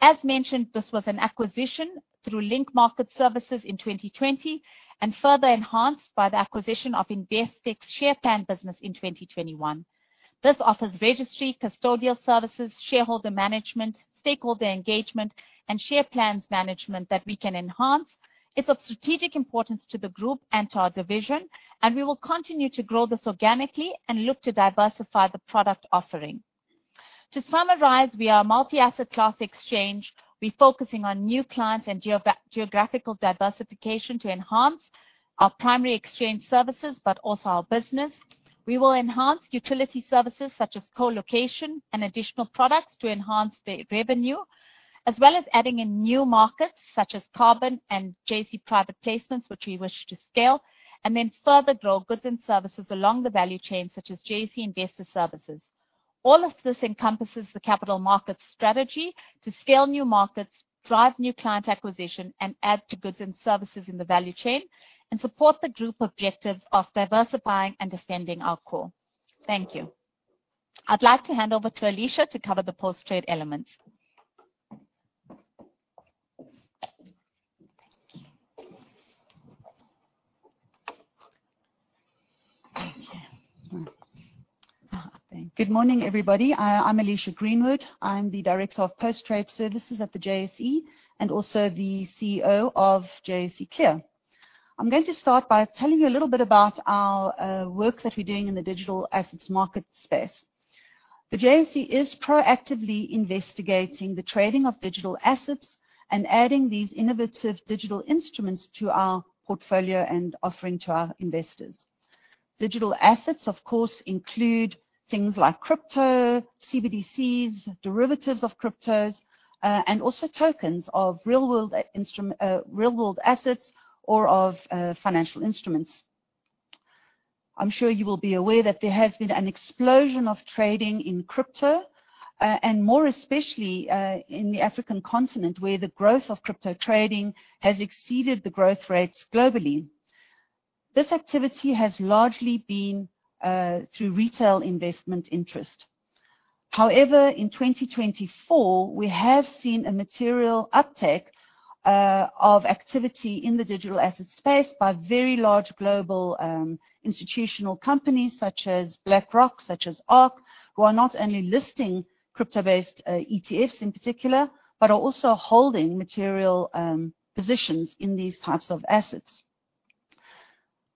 [SPEAKER 2] As mentioned, this was an acquisition through Link Market Services in 2020, and further enhanced by the acquisition of Investec's Share Plan business in 2021. This offers registry, custodial services, shareholder management, stakeholder engagement, and share plans management that we can enhance. It's of strategic importance to the group and to our division, and we will continue to grow this organically and look to diversify the product offering. To summarize, we are a multi-asset class exchange. We're focusing on new clients and geographical diversification to enhance our primary exchange services, but also our business. We will enhance utility services such as colocation and additional products to enhance the revenue, as well as adding in new markets, such as carbon and JSE Private Placements, which we wish to scale, and then further grow goods and services along the value chain, such as JSE Investor Services. All of this encompasses the capital markets strategy to scale new markets, drive new client acquisition, and add to goods and services in the value chain, and support the group objectives of diversifying and defending our core. Thank you. I'd like to hand over to Alicia to cover the post-trade elements.
[SPEAKER 3] Thank you. Good morning, everybody. I'm Alicia Greenwood. I'm the Director of Post Trade Services at the JSE and also the CEO of JSE Clear. I'm going to start by telling you a little bit about our work that we're doing in the digital assets market space. The JSE is proactively investigating the trading of digital assets and adding these innovative digital instruments to our portfolio and offering to our investors. Digital assets, of course, include things like crypto, CBDCs, derivatives of cryptos, and also tokens of real-world assets or of financial instruments. I'm sure you will be aware that there has been an explosion of trading in crypto and more especially in the African continent, where the growth of crypto trading has exceeded the growth rates globally. This activity has largely been through retail investment interest. However, in 2024, we have seen a material uptick of activity in the digital asset space by very large global institutional companies such as BlackRock, such as ARK, who are not only listing crypto-based ETFs in particular, but are also holding material positions in these types of assets.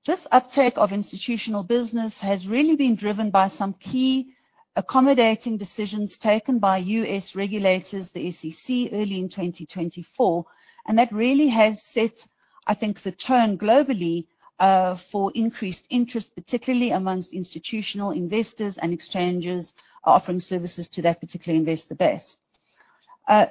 [SPEAKER 3] This uptick of institutional business has really been driven by some key accommodating decisions taken by U.S. regulators, the SEC, early in 2024, and that really has set, I think, the tone globally for increased interest, particularly among institutional investors, and exchanges are offering services to that particular investor base,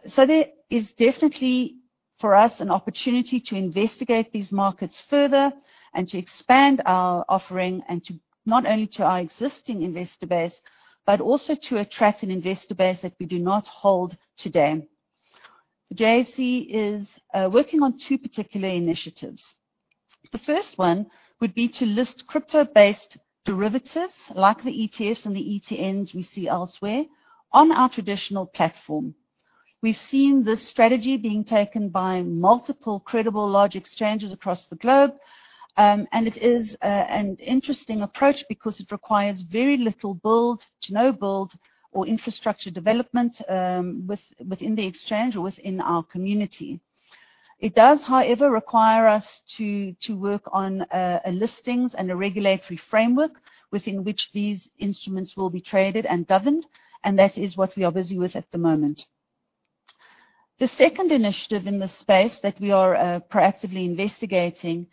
[SPEAKER 3] so there is definitely, for us, an opportunity to investigate these markets further and to expand our offering, and not only to our existing investor base, but also to attract an investor base that we do not hold today. JSE is working on two particular initiatives. The first one would be to list crypto-based derivatives, like the ETFs and the ETNs we see elsewhere, on our traditional platform. We've seen this strategy being taken by multiple credible, large exchanges across the globe, and it is an interesting approach because it requires very little build to no build or infrastructure development, within the exchange or within our community. It does, however, require us to work on a listings and a regulatory framework within which these instruments will be traded and governed, and that is what we are busy with at the moment. The second initiative in this space that we are proactively investigating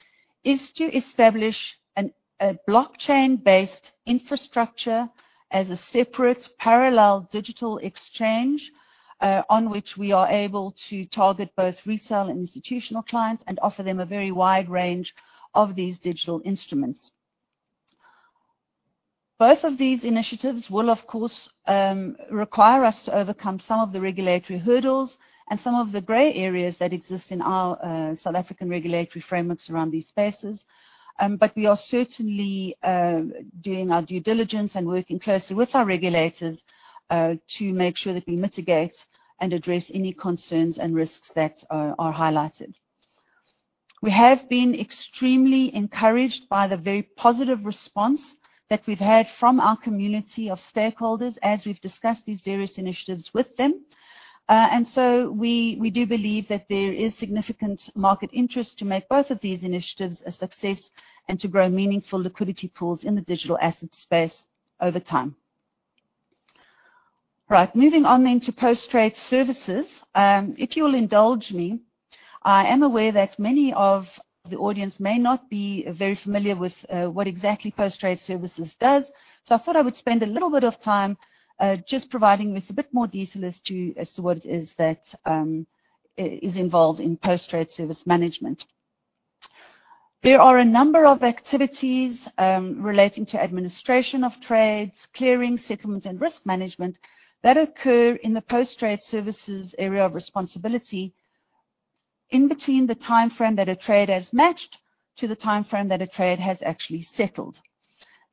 [SPEAKER 3] is to establish a blockchain-based infrastructure as a separate, parallel digital exchange on which we are able to target both retail and institutional clients, and offer them a very wide range of these digital instruments. Both of these initiatives will, of course, require us to overcome some of the regulatory hurdles and some of the gray areas that exist in our South African regulatory frameworks around these spaces. But we are certainly doing our due diligence and working closely with our regulators to make sure that we mitigate and address any concerns and risks that are highlighted. We have been extremely encouraged by the very positive response that we've had from our community of stakeholders, as we've discussed these various initiatives with them. And so we do believe that there is significant market interest to make both of these initiatives a success, and to grow meaningful liquidity pools in the digital asset space over time. Right, moving on then to Post-Trade Services. If you'll indulge me, I am aware that many of the audience may not be very familiar with what exactly Post-Trade Services does. So I thought I would spend a little bit of time just providing with a bit more detail as to what it is that is involved in Post-Trade Service management. There are a number of activities relating to administration of trades, clearing, settlement, and risk management, that occur in the Post-Trade Services area of responsibility in between the timeframe that a trade has matched to the timeframe that a trade has actually settled.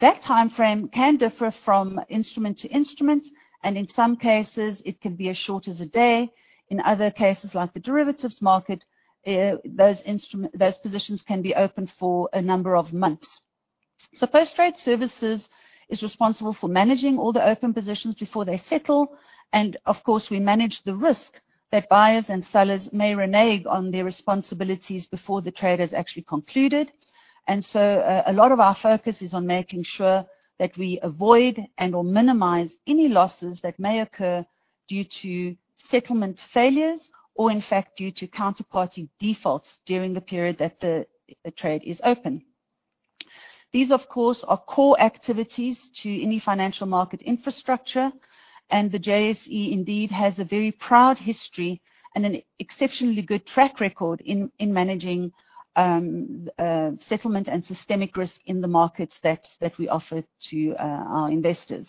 [SPEAKER 3] That timeframe can differ from instrument to instrument, and in some cases it can be as short as a day. In other cases, like the derivatives market, those positions can be open for a number of months. So Post-Trade Services is responsible for managing all the open positions before they settle, and of course, we manage the risk that buyers and sellers may renege on their responsibilities before the trade is actually concluded. And so, a lot of our focus is on making sure that we avoid and/or minimize any losses that may occur due to settlement failures, or in fact, due to counterparty defaults during the period that the trade is open. These, of course, are core activities to any financial market infrastructure, and the JSE indeed has a very proud history and an exceptionally good track record in managing settlement and systemic risk in the markets that we offer to our investors.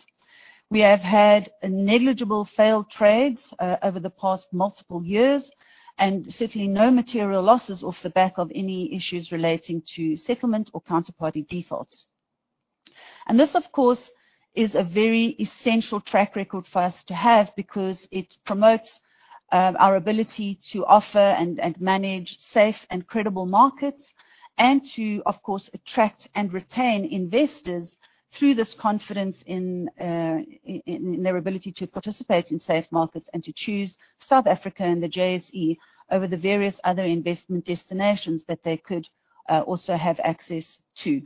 [SPEAKER 3] We have had negligible failed trades over the past multiple years, and certainly no material losses off the back of any issues relating to settlement or counterparty defaults. And this, of course, is a very essential track record for us to have, because it promotes our ability to offer and manage safe and credible markets. And to, of course, attract and retain investors through this confidence in their ability to participate in safe markets, and to choose South Africa and the JSE over the various other investment destinations that they could also have access to.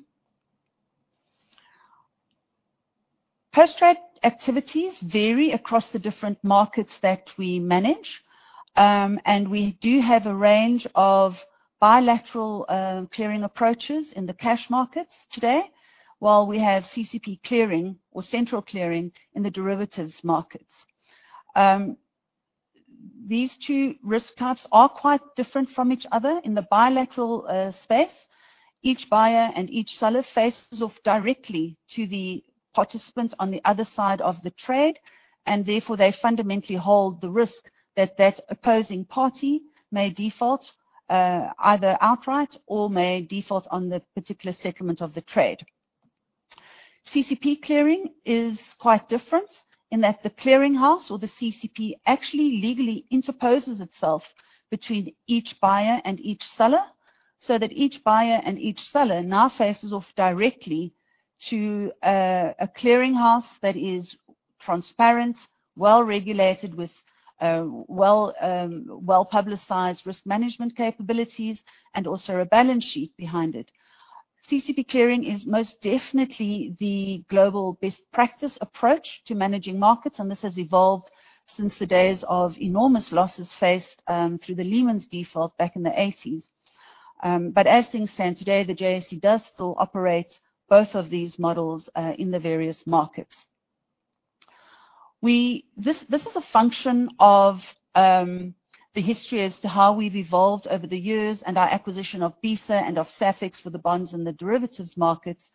[SPEAKER 3] Post-trade activities vary across the different markets that we manage, and we do have a range of bilateral, clearing approaches in the cash markets today, while we have CCP clearing or central clearing in the derivatives markets. These two risk types are quite different from each other. In the bilateral, space, each buyer and each seller faces off directly to the participant on the other side of the trade, and therefore, they fundamentally hold the risk that that opposing party may default, either outright or may default on the particular settlement of the trade. CCP clearing is quite different in that the clearing house or the CCP actually legally interposes itself between each buyer and each seller, so that each buyer and each seller now faces off directly to a clearing house that is transparent, well-regulated, with well-publicized risk management capabilities, and also a balance sheet behind it. CCP clearing is most definitely the global best practice approach to managing markets, and this has evolved since the days of enormous losses faced through the Lehman's default back in the '80s. But as things stand today, the JSE does still operate both of these models in the various markets. This is a function of the history as to how we've evolved over the years, and our acquisition of BESA and of SAFEX for the bonds and the derivatives markets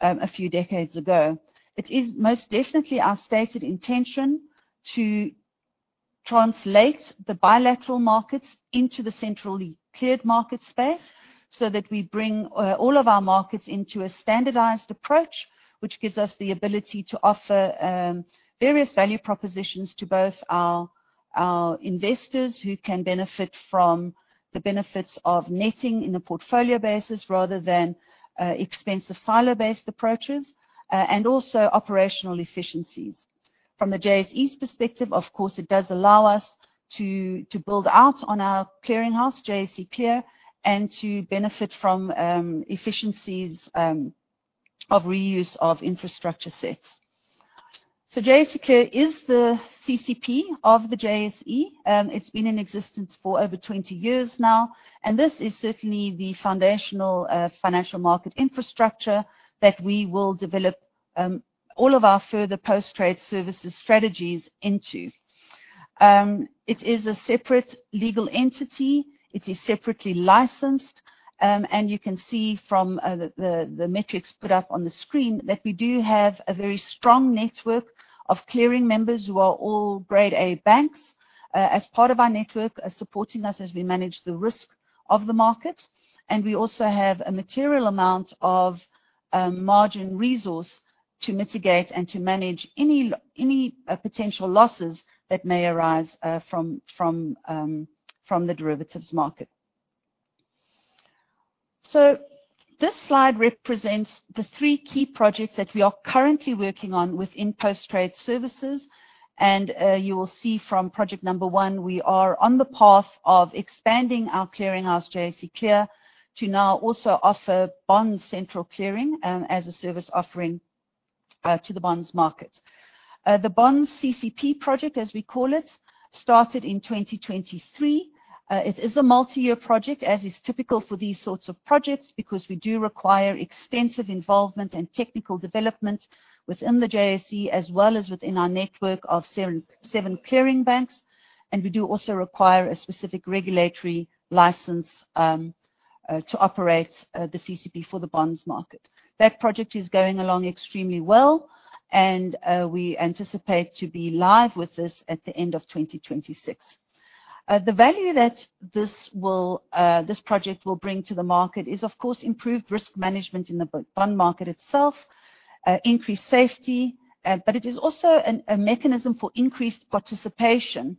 [SPEAKER 3] a few decades ago. It is most definitely our stated intention to translate the bilateral markets into the centrally cleared market space, so that we bring all of our markets into a standardized approach, which gives us the ability to offer various value propositions to both our investors, who can benefit from the benefits of netting in a portfolio basis rather than expensive silo-based approaches and also operational efficiencies. From the JSE's perspective, of course, it does allow us to build out on our clearinghouse, JSE Clear, and to benefit from efficiencies of reuse of infrastructure sets. So JSE Clear is the CCP of the JSE, it's been in existence for over 20 years now, and this is certainly the foundational financial market infrastructure that we will develop all of our further Post-Trade Services strategies into. It is a separate legal entity. It is separately licensed. And you can see from the metrics put up on the screen, that we do have a very strong network of clearing members who are all Grade A banks, as part of our network, are supporting us as we manage the risk of the market. And we also have a material amount of margin resource to mitigate and to manage any potential losses that may arise from the derivatives market. So this slide represents the three key projects that we are currently working on within Post Trade Services, and you will see from project number one, we are on the path of expanding our clearinghouse, JSE Clear, to now also offer Bond Central Clearing, as a service offering to the bonds market. The Bond CCP project, as we call it, started in 2023. It is a multi-year project, as is typical for these sorts of projects, because we do require extensive involvement and technical development within the JSE, as well as within our network of seven clearing banks, and we do also require a specific regulatory license to operate the CCP for the bonds market. That project is going along extremely well, and we anticipate to be live with this at the end of 2026. The value that this project will bring to the market is, of course, improved risk management in the bond market itself, increased safety, but it is also a mechanism for increased participation,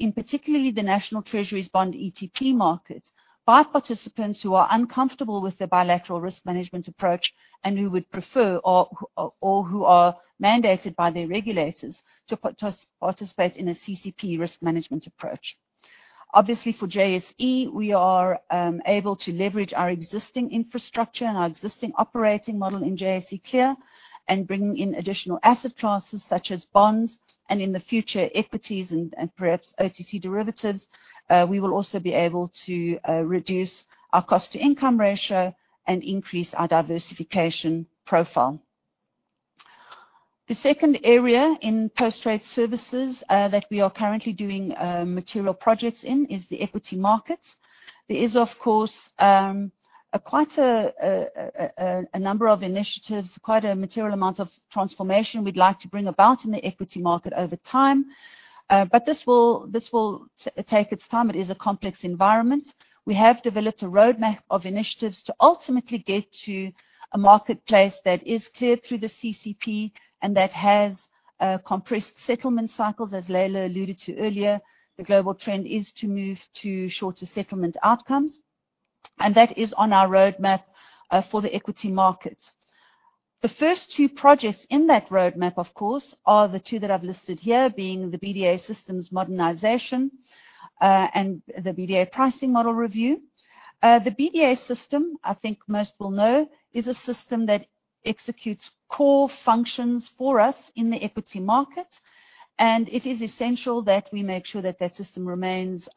[SPEAKER 3] in particularly the National Treasury Bond ETP market, by participants who are uncomfortable with the bilateral risk management approach and who would prefer or who are mandated by their regulators to participate in a CCP risk management approach. Obviously, for JSE, we are able to leverage our existing infrastructure and our existing operating model in JSE Clear, and bringing in additional asset classes such as bonds, and in the future, equities and perhaps OTC derivatives. We will also be able to reduce our cost-to-income ratio and increase our diversification profile. The second area in Post-Trade Services that we are currently doing material projects in is the equity markets. There is, of course, quite a number of initiatives, quite a material amount of transformation we'd like to bring about in the equity market over time. But this will take its time. It is a complex environment. We have developed a roadmap of initiatives to ultimately get to a marketplace that is cleared through the CCP and that has compressed settlement cycles. As Leila alluded to earlier, the global trend is to move to shorter settlement outcomes, and that is on our roadmap for the equity markets. The first two projects in that roadmap, of course, are the two that I've listed here, being the BDA systems modernization and the BDA pricing model review. The BDA system, I think most will know, is a system that executes core functions for us in the equity markets, and it is essential that we make sure that that system remains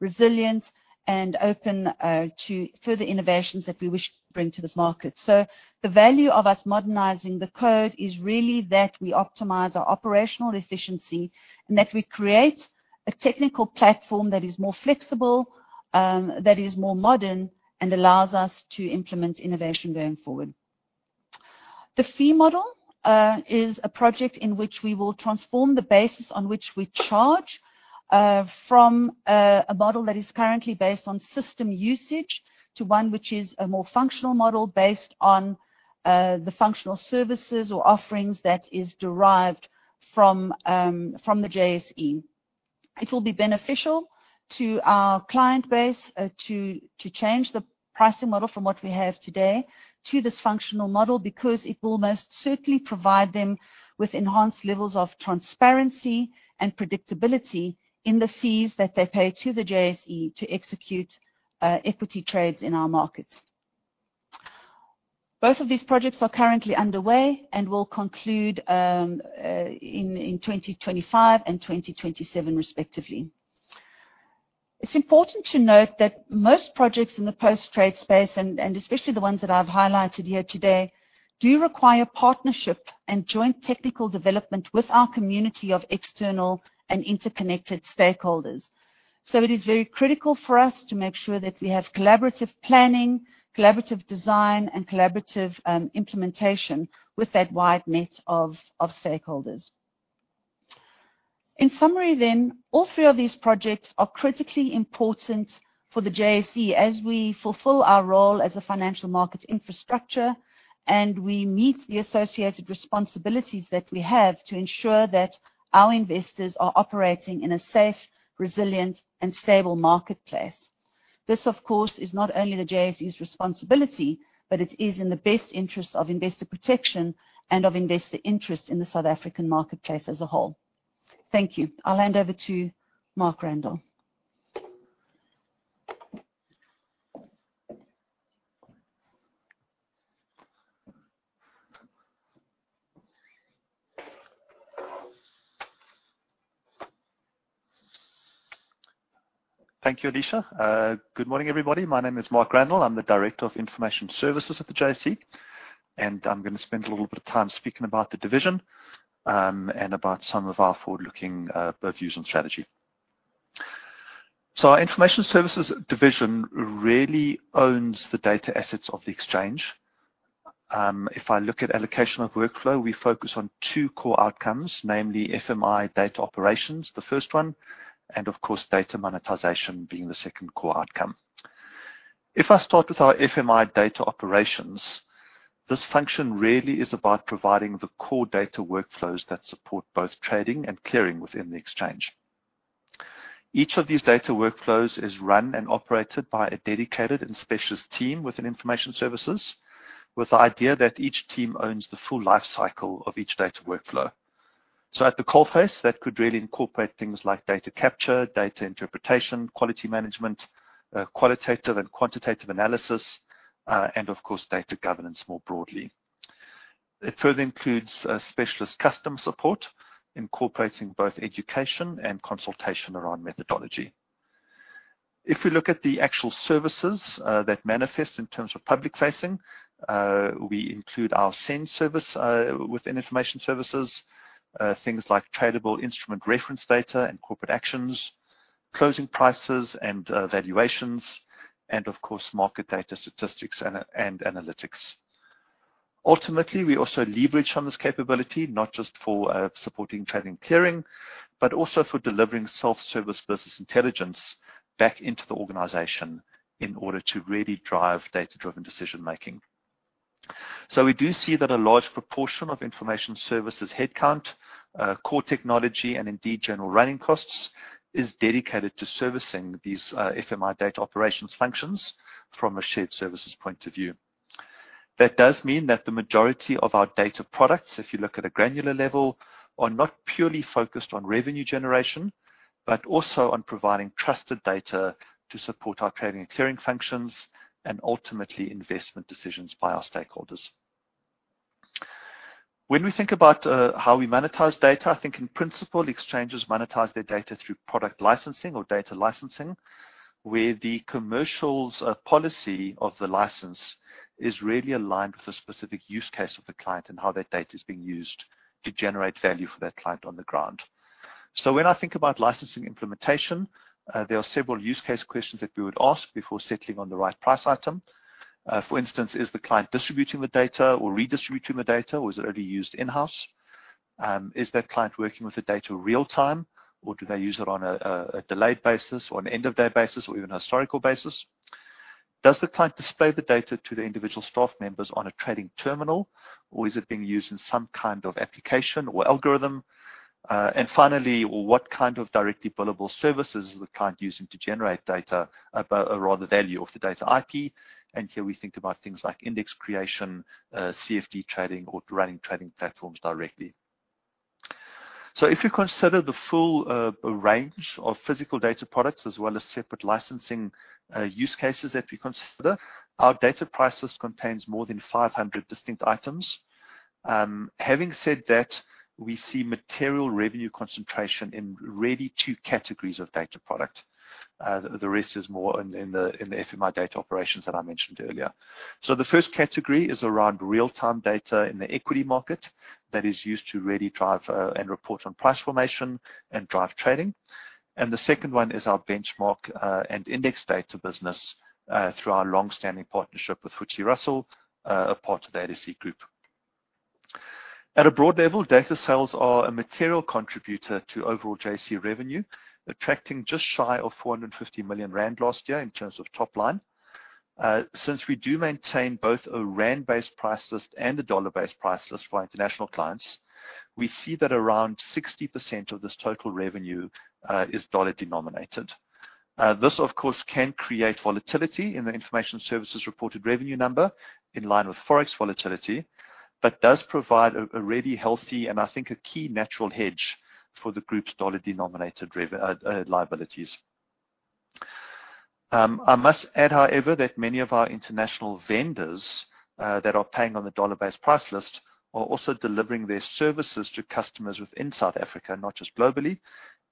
[SPEAKER 3] resilient and open to further innovations that we wish to bring to this market. The value of us modernizing the code is really that we optimize our operational efficiency, and that we create a technical platform that is more flexible, that is more modern, and allows us to implement innovation going forward. The fee model is a project in which we will transform the basis on which we charge from a model that is currently based on system usage to one which is a more functional model based on the functional services or offerings that is derived from the JSE. It will be beneficial to our client base to change the pricing model from what we have today to this functional model, because it will most certainly provide them with enhanced levels of transparency and predictability in the fees that they pay to the JSE to execute equity trades in our markets. Both of these projects are currently underway and will conclude in 2025 and 2027 respectively. It's important to note that most projects in the post-trade space, especially the ones that I've highlighted here today, do require partnership and joint technical development with our community of external and interconnected stakeholders. So it is very critical for us to make sure that we have collaborative planning, collaborative design, and collaborative implementation with that wide net of stakeholders. In summary then, all three of these projects are critically important for the JSE as we fulfill our role as a financial market infrastructure, and we meet the associated responsibilities that we have to ensure that our investors are operating in a safe, resilient, and stable marketplace. This, of course, is not only the JSE's responsibility, but it is in the best interest of investor protection and of investor interest in the South African marketplace as a whole. Thank you. I'll hand over to Mark Randall.
[SPEAKER 4] Thank you, Alicia. Good morning, everybody. My name is Mark Randall. I'm the Director of Information Services at the JSE, and I'm gonna spend a little bit of time speaking about the division, and about some of our forward-looking, both views and strategy, so our Information Services division really owns the data assets of the exchange. If I look at allocation of workflow, we focus on two core outcomes, namely FMI data operations, the first one, and of course, data monetization being the second core outcome. If I start with our FMI data operations, this function really is about providing the core data workflows that support both trading and clearing within the exchange. Each of these data workflows is run and operated by a dedicated and specialist team within Information Services, with the idea that each team owns the full life cycle of each data workflow. So at the core phase, that could really incorporate things like data capture, data interpretation, quality management, qualitative and quantitative analysis, and of course, data governance more broadly. It further includes specialist customer support, incorporating both education and consultation around methodology. If we look at the actual services that manifest in terms of public-facing, we include our SENS service within Information Services, things like tradable instrument reference data and corporate actions, closing prices and valuations, and of course, market data statistics and analytics. Ultimately, we also leverage on this capability, not just for supporting trading clearing, but also for delivering self-service business intelligence back into the organization in order to really drive data-driven decision-making. We do see that a large proportion of Information Services headcount, core technology, and indeed, general running costs, is dedicated to servicing these, FMI data operations functions from a shared services point of view. That does mean that the majority of our data products, if you look at a granular level, are not purely focused on revenue generation, but also on providing trusted data to support our trading and clearing functions, and ultimately, investment decisions by our stakeholders. When we think about how we monetize data, I think in principle, exchanges monetize their data through product licensing or data licensing, where the commercial policy of the license is really aligned with the specific use case of the client and how that data is being used to generate value for that client on the ground. When I think about licensing implementation, there are several use case questions that we would ask before settling on the right price item. For instance, is the client distributing the data or redistributing the data, or is it already used in-house? Is that client working with the data real time, or do they use it on a delayed basis, or an end-of-day basis, or even a historical basis? Does the client display the data to the individual staff members on a trading terminal, or is it being used in some kind of application or algorithm? And finally, what kind of directly billable services is the client using to generate data, but or rather, value of the data IP? And here we think about things like index creation, CFD trading, or running trading platforms directly. So if you consider the full range of physical data products as well as separate licensing use cases that we consider, our data prices contain more than 500 distinct items. Having said that, we see material revenue concentration in really two categories of data product. The rest is more in the FMI data operations that I mentioned earlier. The first category is around real-time data in the equity market that is used to really drive and report on price formation and drive trading. And the second one is our benchmark and index data business through our long-standing partnership with FTSE Russell, a part of the LSE Group. At a broad level, data sales are a material contributor to overall JSE revenue, attracting just shy of 450 million rand last year in terms of top line. Since we do maintain both a rand-based price list and a dollar-based price list for our international clients, we see that around 60% of this total revenue is dollar-denominated. This, of course, can create volatility in the Information Services reported revenue number in line with forex volatility, but does provide a really healthy, and I think a key natural hedge for the group's dollar-denominated liabilities. I must add, however, that many of our international vendors that are paying on the dollar-based price list are also delivering their services to customers within South Africa, not just globally,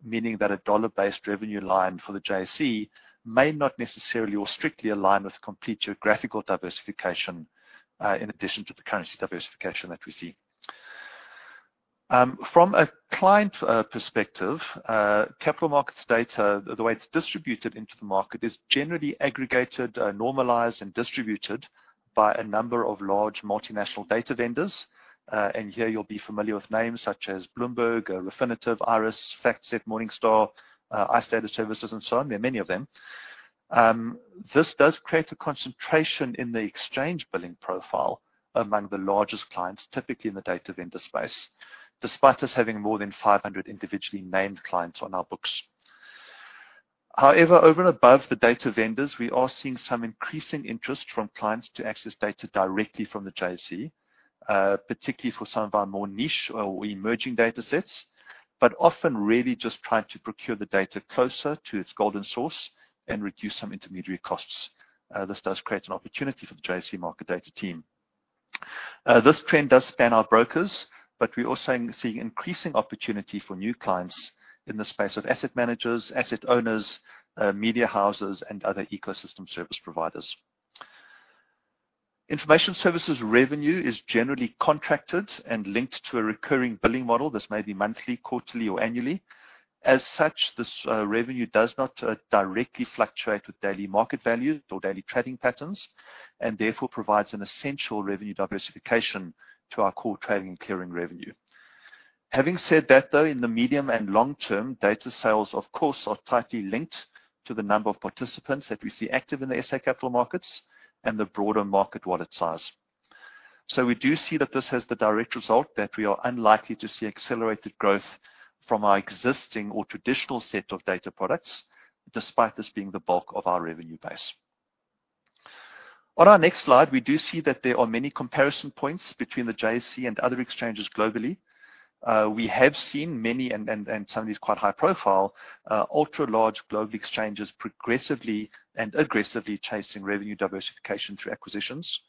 [SPEAKER 4] meaning that a dollar-based revenue line for the JSE may not necessarily or strictly align with complete geographical diversification in addition to the currency diversification that we see. From a client perspective, capital markets data, the way it's distributed into the market, is generally aggregated, normalized, and distributed by a number of large multinational data vendors. And here you'll be familiar with names such as Bloomberg, Refinitiv, IRESS, FactSet, Morningstar, iStat services, and so on. There are many of them. This does create a concentration in the exchange billing profile among the largest clients, typically in the data vendor space, despite us having more than 500 individually named clients on our books. However, over and above the data vendors, we are seeing some increasing interest from clients to access data directly from the JSE, particularly for some of our more niche or emerging datasets, but often really just trying to procure the data closer to its golden source and reduce some intermediary costs. This does create an opportunity for the JSE market data team. This trend does span our brokers, but we're also seeing increasing opportunity for new clients in the space of asset managers, asset owners, media houses, and other ecosystem service providers. Information services revenue is generally contracted and linked to a recurring billing model. This may be monthly, quarterly, or annually. As such, this revenue does not directly fluctuate with daily market values or daily trading patterns, and therefore provides an essential revenue diversification to our core trading and clearing revenue. Having said that, though, in the medium and long term, data sales, of course, are tightly linked to the number of participants that we see active in the SA capital markets and the broader market wallet size. So we do see that this has the direct result that we are unlikely to see accelerated growth from our existing or traditional set of data products, despite this being the bulk of our revenue base. On our next slide, we do see that there are many comparison points between the JSE and other exchanges globally. We have seen many, and some of these quite high profile, ultra-large global exchanges progressively and aggressively chasing revenue diversification through acquisitions.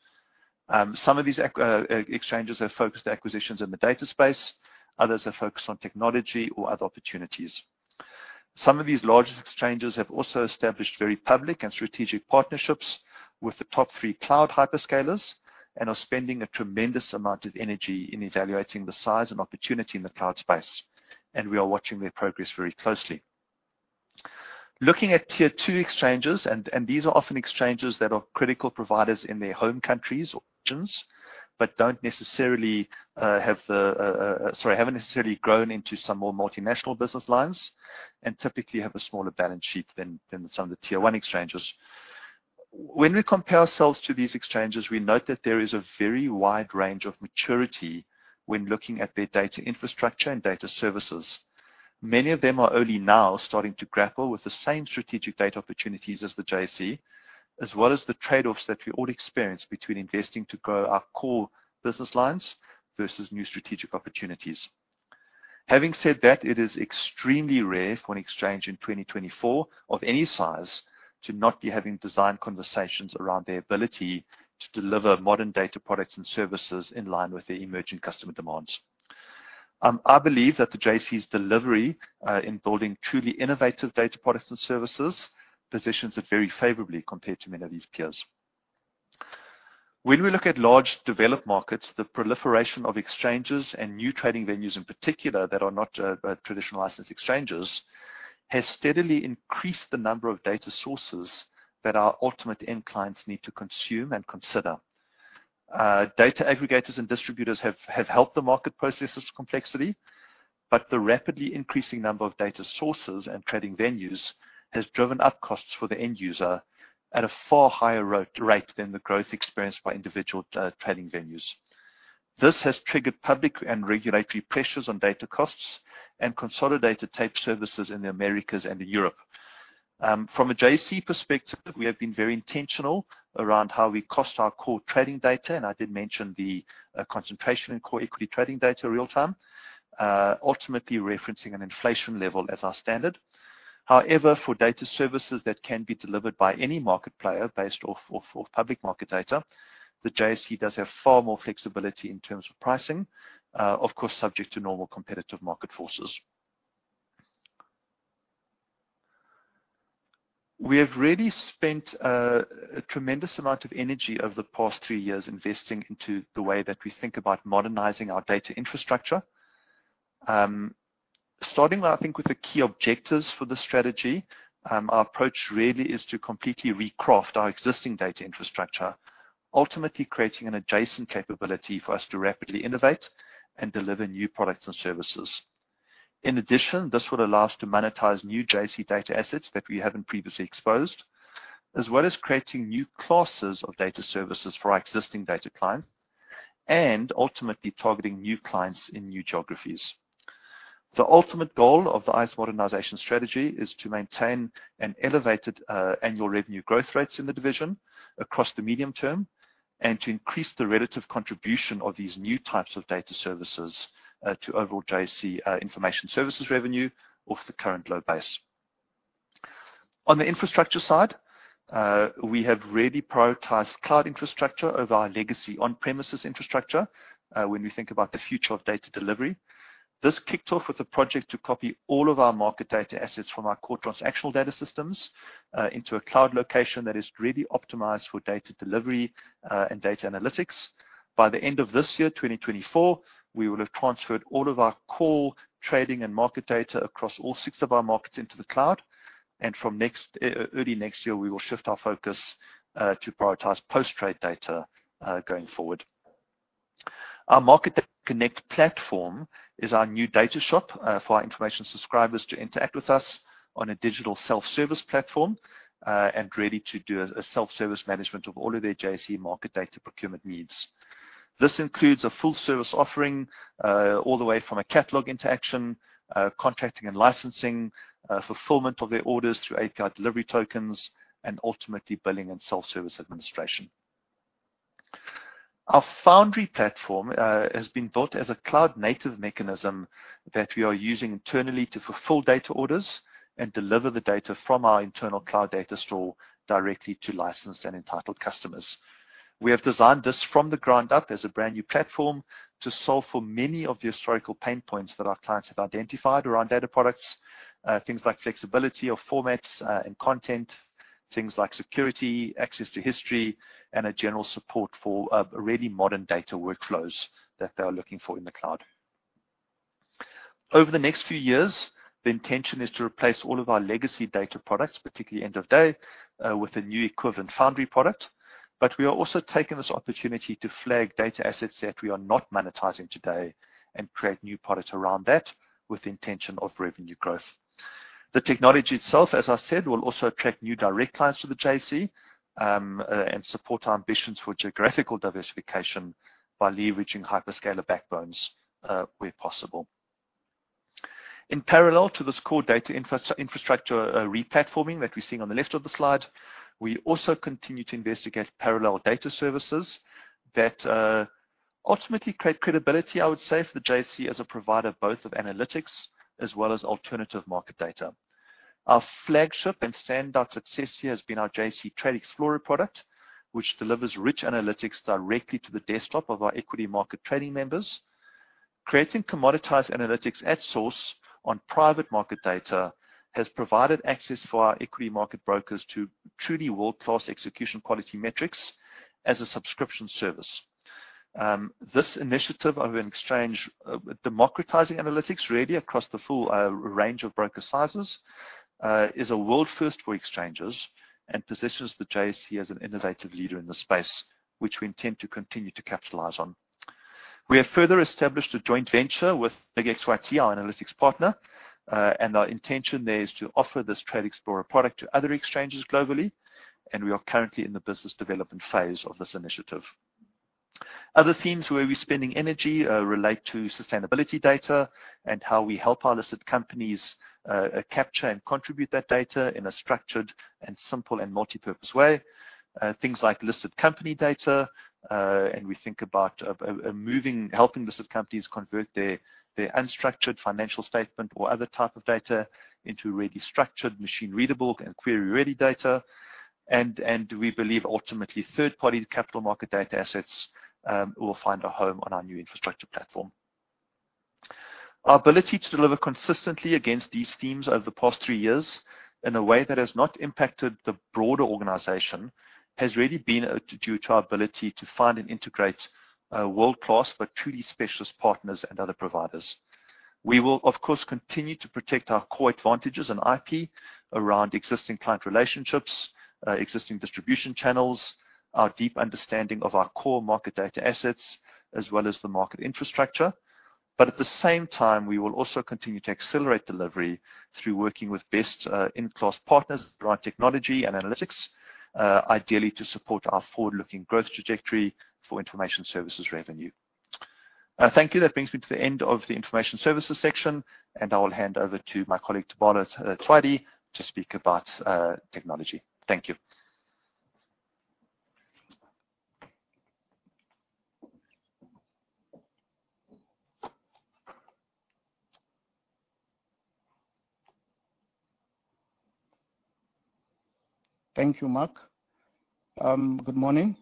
[SPEAKER 4] Some of these exchanges have focused acquisitions in the data space, others are focused on technology or other opportunities. Some of these largest exchanges have also established very public and strategic partnerships with the top three cloud hyperscalers and are spending a tremendous amount of energy in evaluating the size and opportunity in the cloud space, and we are watching their progress very closely. Looking at tier two exchanges, and these are often exchanges that are critical providers in their home countries or regions, but haven't necessarily grown into some more multinational business lines and typically have a smaller balance sheet than some of the tier one exchanges. When we compare ourselves to these exchanges, we note that there is a very wide range of maturity when looking at their data infrastructure and data services. Many of them are only now starting to grapple with the same strategic data opportunities as the JSE, as well as the trade-offs that we all experience between investing to grow our core business lines versus new strategic opportunities. Having said that, it is extremely rare for an exchange in 2024, of any size, to not be having design conversations around their ability to deliver modern data products and services in line with the emerging customer demands. I believe that the JSE's delivery in building truly innovative data products and services positions it very favorably compared to many of these peers. When we look at large developed markets, the proliferation of exchanges and new trading venues in particular, that are not traditional licensed exchanges, has steadily increased the number of data sources that our ultimate end clients need to consume and consider. Data aggregators and distributors have helped the market process this complexity, but the rapidly increasing number of data sources and trading venues has driven up costs for the end user at a far higher rate than the growth experienced by individual trading venues. This has triggered public and regulatory pressures on data costs and consolidated tape services in the Americas and in Europe. From a JSE perspective, we have been very intentional around how we cost our core trading data, and I did mention the concentration in core equity trading data real time, ultimately referencing an inflation level as our standard. However, for data services that can be delivered by any market player based off of public market data, the JSE does have far more flexibility in terms of pricing, of course, subject to normal competitive market forces. We have really spent a tremendous amount of energy over the past three years investing into the way that we think about modernizing our data infrastructure. Starting, I think, with the key objectives for the strategy, our approach really is to completely recraft our existing data infrastructure, ultimately creating an adjacent capability for us to rapidly innovate and deliver new products and services. In addition, this would allow us to monetize new JSE data assets that we haven't previously exposed, as well as creating new classes of data services for our existing data client, and ultimately targeting new clients in new geographies. The ultimate goal of the ITaC modernization strategy is to maintain an elevated annual revenue growth rates in the division across the medium term, and to increase the relative contribution of these new types of data services to overall JSE information services revenue off the current low base. On the infrastructure side, we have really prioritized cloud infrastructure over our legacy on-premises infrastructure when we think about the future of data delivery. This kicked off with a project to copy all of our market data assets from our core transactional data systems into a cloud location that is really optimized for data delivery and data analytics. By the end of this year, 2024, we will have transferred all of our core trading and market data across all six of our markets into the cloud, and from early next year, we will shift our focus to prioritize post-trade data going forward. Our Market Data Connect platform is our new data shop for our information subscribers to interact with us on a digital self-service platform and ready to do a self-service management of all of their JSE market data procurement needs. This includes a full-service offering, all the way from a catalog interaction, contracting and licensing, fulfillment of their orders through API delivery tokens, and ultimately, billing and self-service administration. Our Foundry platform has been built as a cloud-native mechanism that we are using internally to fulfill data orders and deliver the data from our internal cloud data store directly to licensed and entitled customers. We have designed this from the ground up as a brand-new platform to solve for many of the historical pain points that our clients have identified around data products. Things like flexibility of formats, and content, things like security, access to history, and a general support for, really modern data workflows that they are looking for in the cloud. Over the next few years, the intention is to replace all of our legacy data products, particularly end of day, with a new equivalent Foundry product. But we are also taking this opportunity to flag data assets that we are not monetizing today and create new products around that with the intention of revenue growth. The technology itself, as I said, will also attract new direct clients to the JSE and support our ambitions for geographical diversification by leveraging hyperscaler backbones where possible. In parallel to this core data infrastructure replatforming that we're seeing on the left of the slide, we also continue to investigate parallel data services that ultimately create credibility, I would say, for the JSE as a provider, both of analytics as well as alternative market data. Our flagship and standout success here has been our JSE Trade Explorer product, which delivers rich analytics directly to the desktop of our equity market trading members. Creating commoditized analytics at source on private market data has provided access for our equity market brokers to truly world-class execution quality metrics as a subscription service. This initiative of an exchange democratizing analytics really across the full range of broker sizes is a world first for exchanges and positions the JSE as an innovative leader in this space, which we intend to continue to capitalize on. We have further established a joint venture with big xyt, our analytics partner, and our intention there is to offer this Trade Explorer product to other exchanges globally, and we are currently in the business development phase of this initiative. Other themes where we're spending energy relate to sustainability data and how we help our listed companies capture and contribute that data in a structured and simple and multipurpose way. Things like listed company data, and we think about helping listed companies convert their unstructured financial statement or other type of data into really structured, machine-readable, and query-ready data. And we believe ultimately, third-party capital market data assets will find a home on our new infrastructure platform. Our ability to deliver consistently against these themes over the past three years in a way that has not impacted the broader organization has really been due to our ability to find and integrate world-class, but truly specialist partners and other providers. We will, of course, continue to protect our core advantages and IP around existing client relationships, existing distribution channels, our deep understanding of our core market data assets, as well as the market infrastructure. But at the same time, we will also continue to accelerate delivery through working with best in-class partners around technology and analytics, ideally to support our forward-looking growth trajectory for information services revenue. Thank you. That brings me to the end of the information services section, and I will hand over to my colleague, Tebalo Tsoaeli, to speak about technology. Thank you.
[SPEAKER 5] Thank you, Mark. Good morning.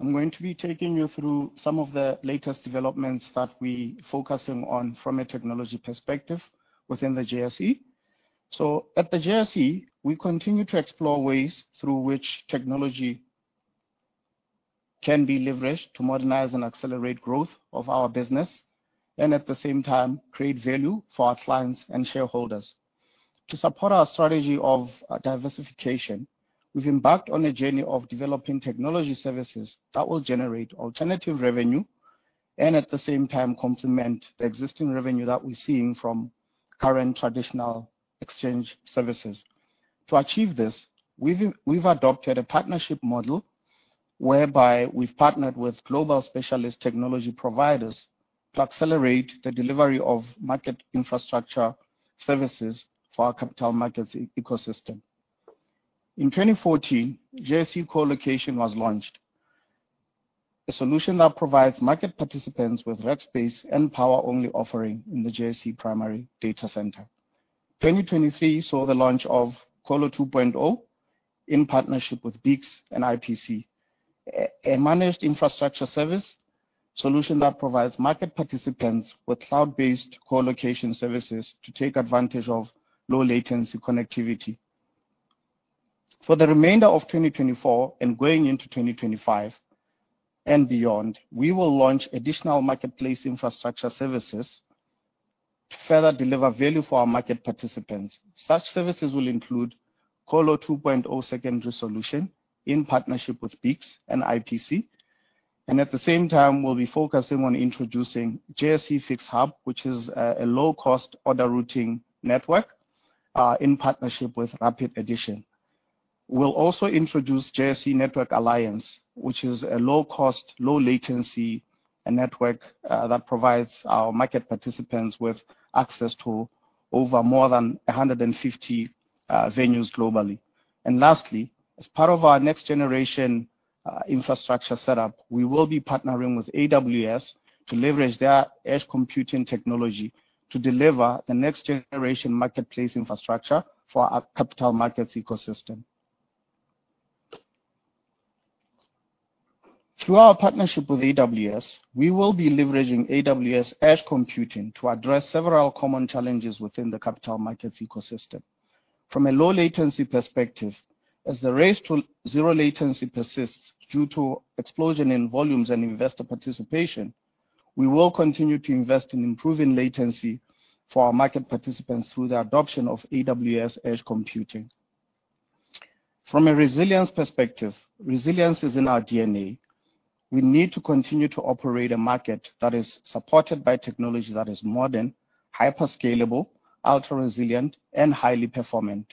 [SPEAKER 5] I'm going to be taking you through some of the latest developments that we're focusing on from a technology perspective within the JSE. So at the JSE, we continue to explore ways through which technology can be leveraged to modernize and accelerate growth of our business, and at the same time, create value for our clients and shareholders. To support our strategy of diversification, we've embarked on a journey of developing technology services that will generate alternative revenue, and at the same time, complement the existing revenue that we're seeing from current traditional exchange services. To achieve this, we've adopted a partnership model whereby we've partnered with global specialist technology providers to accelerate the delivery of market infrastructure services for our capital markets ecosystem. In 2014, JSE Colocation was launched. A solution that provides market participants with rack space and power-only offering in the JSE primary data center. 2023 saw the launch of Colo 2.0, in partnership with Beeks & IPC. A managed infrastructure service solution that provides market participants with cloud-based colocation services to take advantage of low latency connectivity. For the remainder of 2024 and going into 2025 and beyond, we will launch additional marketplace infrastructure services to further deliver value for our market participants. Such services will include Colo 2.0 secondary solution in partnership with Beeks & IPC, and at the same time, we'll be focusing on introducing JSE-FIX Hub, which is a low-cost order routing network, in partnership with Rapid Addition. We'll also introduce JSE Network Alliance, which is a low-cost, low-latency network that provides our market participants with access to over more than 150 venues globally. And lastly, as part of our next generation infrastructure setup, we will be partnering with AWS to leverage their edge computing technology to deliver the next generation marketplace infrastructure for our capital markets ecosystem. Through our partnership with AWS, we will be leveraging AWS edge computing to address several common challenges within the capital markets ecosystem. From a low latency perspective, as the race to zero latency persists due to explosion in volumes and investor participation, we will continue to invest in improving latency for our market participants through the adoption of AWS edge computing. From a resilience perspective, resilience is in our DNA. We need to continue to operate a market that is supported by technology that is modern, hyper scalable, ultra resilient, and highly performant.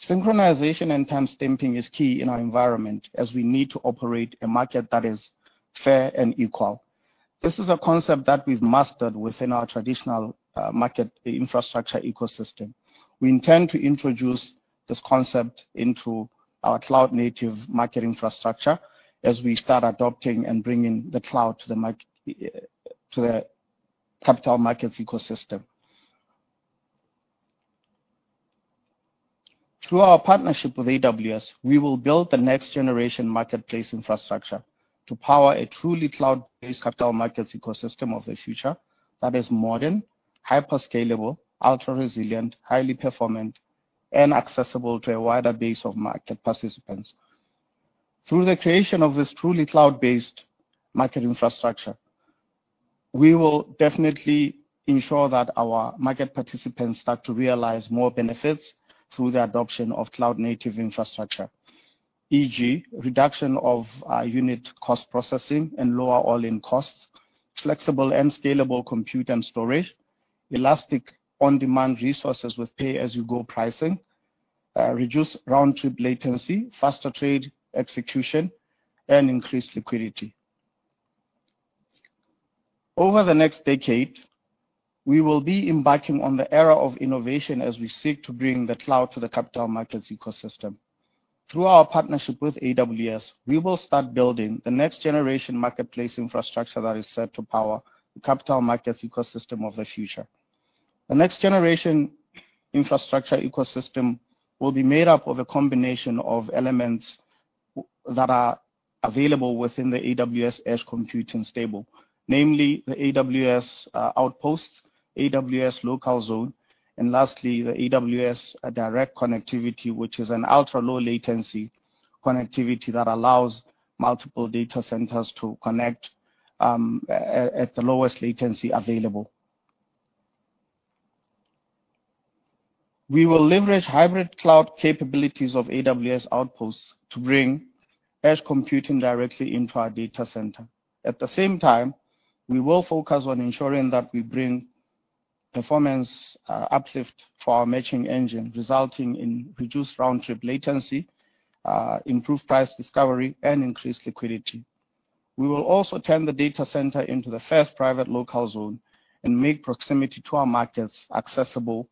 [SPEAKER 5] Synchronization and time stamping is key in our environment, as we need to operate a market that is fair and equal. This is a concept that we've mastered within our traditional market infrastructure ecosystem. We intend to introduce this concept into our cloud-native market infrastructure as we start adopting and bringing the cloud to the market, to the capital markets ecosystem. Through our partnership with AWS, we will build the next generation marketplace infrastructure to power a truly cloud-based capital markets ecosystem of the future that is modern, hyper scalable, ultra resilient, highly performant, and accessible to a wider base of market participants. Through the creation of this truly cloud-based market infrastructure, we will definitely ensure that our market participants start to realize more benefits through the adoption of cloud-native infrastructure, e.g., reduction of unit cost processing and lower all-in costs, flexible and scalable compute and storage, elastic on-demand resources with pay-as-you-go pricing, reduce round trip latency, faster trade execution, and increased liquidity. Over the next decade, we will be embarking on the era of innovation as we seek to bring the cloud to the capital markets ecosystem. Through our partnership with AWS, we will start building the next generation marketplace infrastructure that is set to power the capital markets ecosystem of the future. The next generation infrastructure ecosystem will be made up of a combination of elements that are available within the AWS edge computing stack. Namely, the AWS Outposts, AWS Local Zone, and lastly, the AWS Direct Connect, which is an ultra-low latency connectivity that allows multiple data centers to connect at the lowest latency available. We will leverage hybrid cloud capabilities of AWS Outposts to bring edge computing directly into our data center. At the same time, we will focus on ensuring that we bring performance uplift for our matching engine, resulting in reduced round trip latency, improved price discovery, and increased liquidity. We will also turn the data center into the first private local zone and make proximity to our markets accessible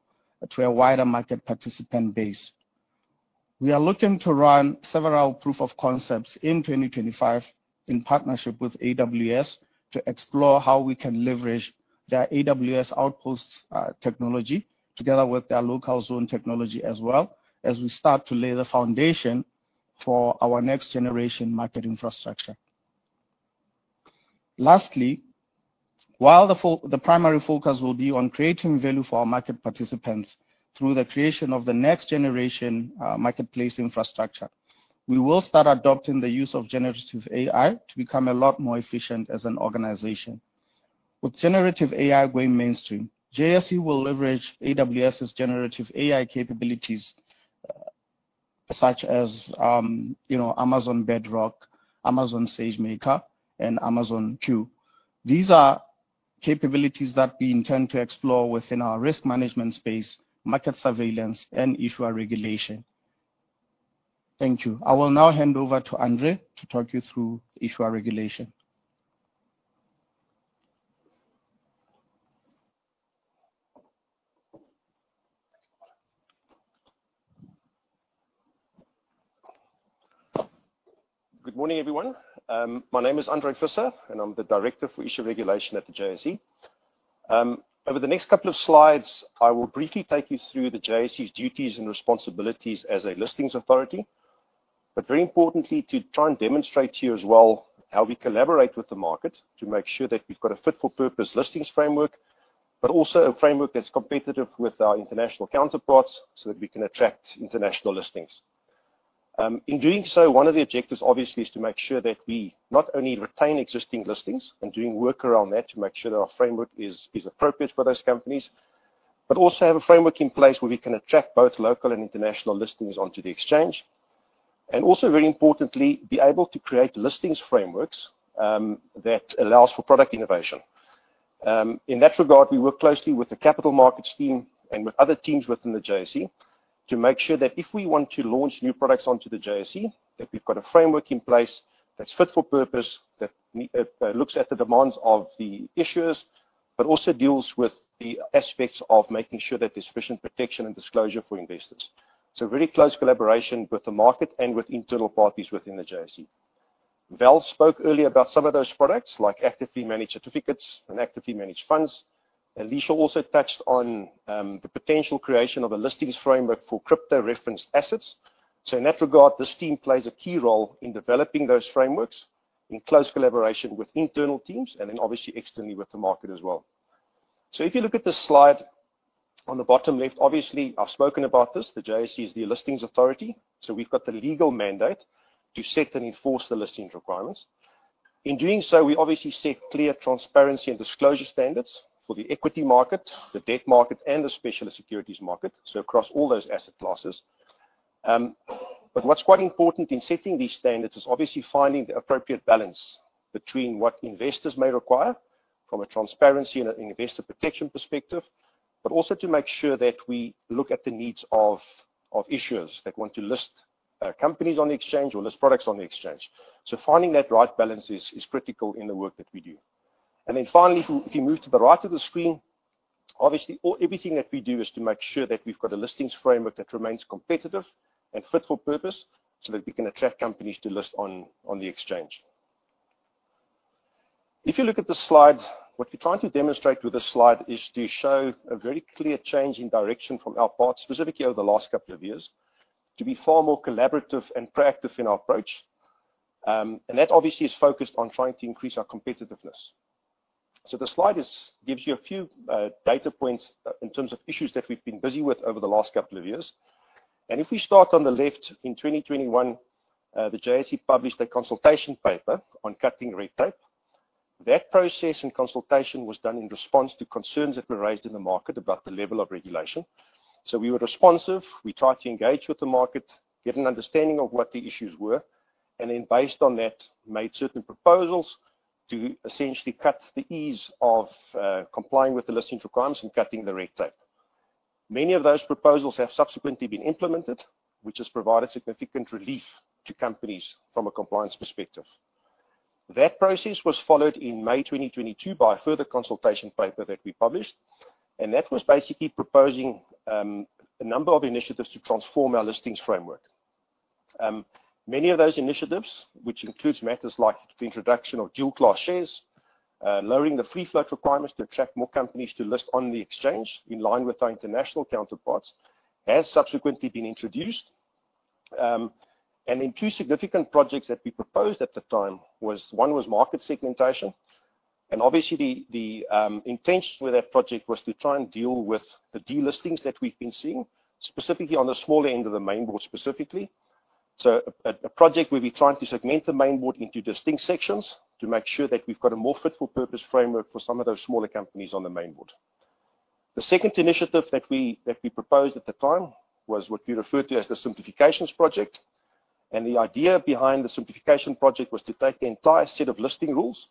[SPEAKER 5] to a wider market participant base. We are looking to run several proof of concepts in 2025 in partnership with AWS, to explore how we can leverage their AWS Outposts technology, together with their Local Zones technology as well, as we start to lay the foundation for our next generation market infrastructure. Lastly, while the primary focus will be on creating value for our market participants through the creation of the next generation marketplace infrastructure, we will start adopting the use of generative AI to become a lot more efficient as an organization. With generative AI going mainstream, JSE will leverage AWS's generative AI capabilities, such as, you know, Amazon Bedrock, Amazon SageMaker, and Amazon Q. These are capabilities that we intend to explore within our risk management space, market surveillance, and issuer regulation. Thank you. I will now hand over to Andre to talk you through issuer regulation. ...
[SPEAKER 6] Good morning, everyone. My name is Andre Visser, and I'm the Director of Issuer Regulation at the JSE. Over the next couple of slides, I will briefly take you through the JSE's duties and responsibilities as a listings authority. But very importantly, to try and demonstrate to you as well, how we collaborate with the market to make sure that we've got a fit-for-purpose listings framework, but also a framework that's competitive with our international counterparts, so that we can attract international listings. In doing so, one of the objectives, obviously, is to make sure that we not only retain existing listings and doing work around that to make sure that our framework is appropriate for those companies, but also have a framework in place where we can attract both local and international listings onto the exchange. And also, very importantly, be able to create listings frameworks that allows for product innovation. In that regard, we work closely with the capital markets team and with other teams within the JSE, to make sure that if we want to launch new products onto the JSE, that we've got a framework in place that's fit for purpose, that looks at the demands of the issuers, but also deals with the aspects of making sure that there's sufficient protection and disclosure for investors. So very close collaboration with the market and with internal parties within the JSE. Val spoke earlier about some of those products, like actively managed certificates and actively managed funds. And Alicia also touched on the potential creation of a listings framework for crypto-referenced assets. So in that regard, this team plays a key role in developing those frameworks, in close collaboration with internal teams and then obviously externally with the market as well. So if you look at this slide, on the bottom left, obviously, I've spoken about this, the JSE is the listings authority, so we've got the legal mandate to set and enforce the listings requirements. In doing so, we obviously set clear transparency and disclosure standards for the equity market, the debt market, and the specialist securities market, so across all those asset classes. But what's quite important in setting these standards is obviously finding the appropriate balance between what investors may require from a transparency and an investor protection perspective, but also to make sure that we look at the needs of issuers that want to list companies on the exchange or list products on the exchange. So finding that right balance is critical in the work that we do. And then finally, if you move to the right of the screen, obviously everything that we do is to make sure that we've got a listings framework that remains competitive and fit for purpose, so that we can attract companies to list on the exchange. If you look at the slide, what we're trying to demonstrate with this slide is to show a very clear change in direction from our part, specifically over the last couple of years, to be far more collaborative and proactive in our approach. And that obviously is focused on trying to increase our competitiveness. So the slide gives you a few data points in terms of issues that we've been busy with over the last couple of years. If we start on the left, in 2021, the JSE published a consultation paper on cutting red tape. That process and consultation was done in response to concerns that were raised in the market about the level of regulation. So we were responsive, we tried to engage with the market, get an understanding of what the issues were, and then based on that, made certain proposals to essentially cut the ease of complying with the listing requirements and cutting the red tape. Many of those proposals have subsequently been implemented, which has provided significant relief to companies from a compliance perspective. That process was followed in May 2022 by a further consultation paper that we published, and that was basically proposing a number of initiatives to transform our listings framework. Many of those initiatives, which includes matters like the introduction of dual-class shares, lowering the free float requirements to attract more companies to list on the exchange, in line with our international counterparts, has subsequently been introduced, and then two significant projects that we proposed at the time was one was market segmentation. And obviously, the intention with that project was to try and deal with the delistings that we've been seeing, specifically on the smaller end of the main board, specifically, so a project where we tried to segment the main board into distinct sections, to make sure that we've got a more fit-for-purpose framework for some of those smaller companies on the main board. The second initiative that we proposed at the time was what we referred to as the simplifications project. And the idea behind the simplification project was to take the entire set of listing rules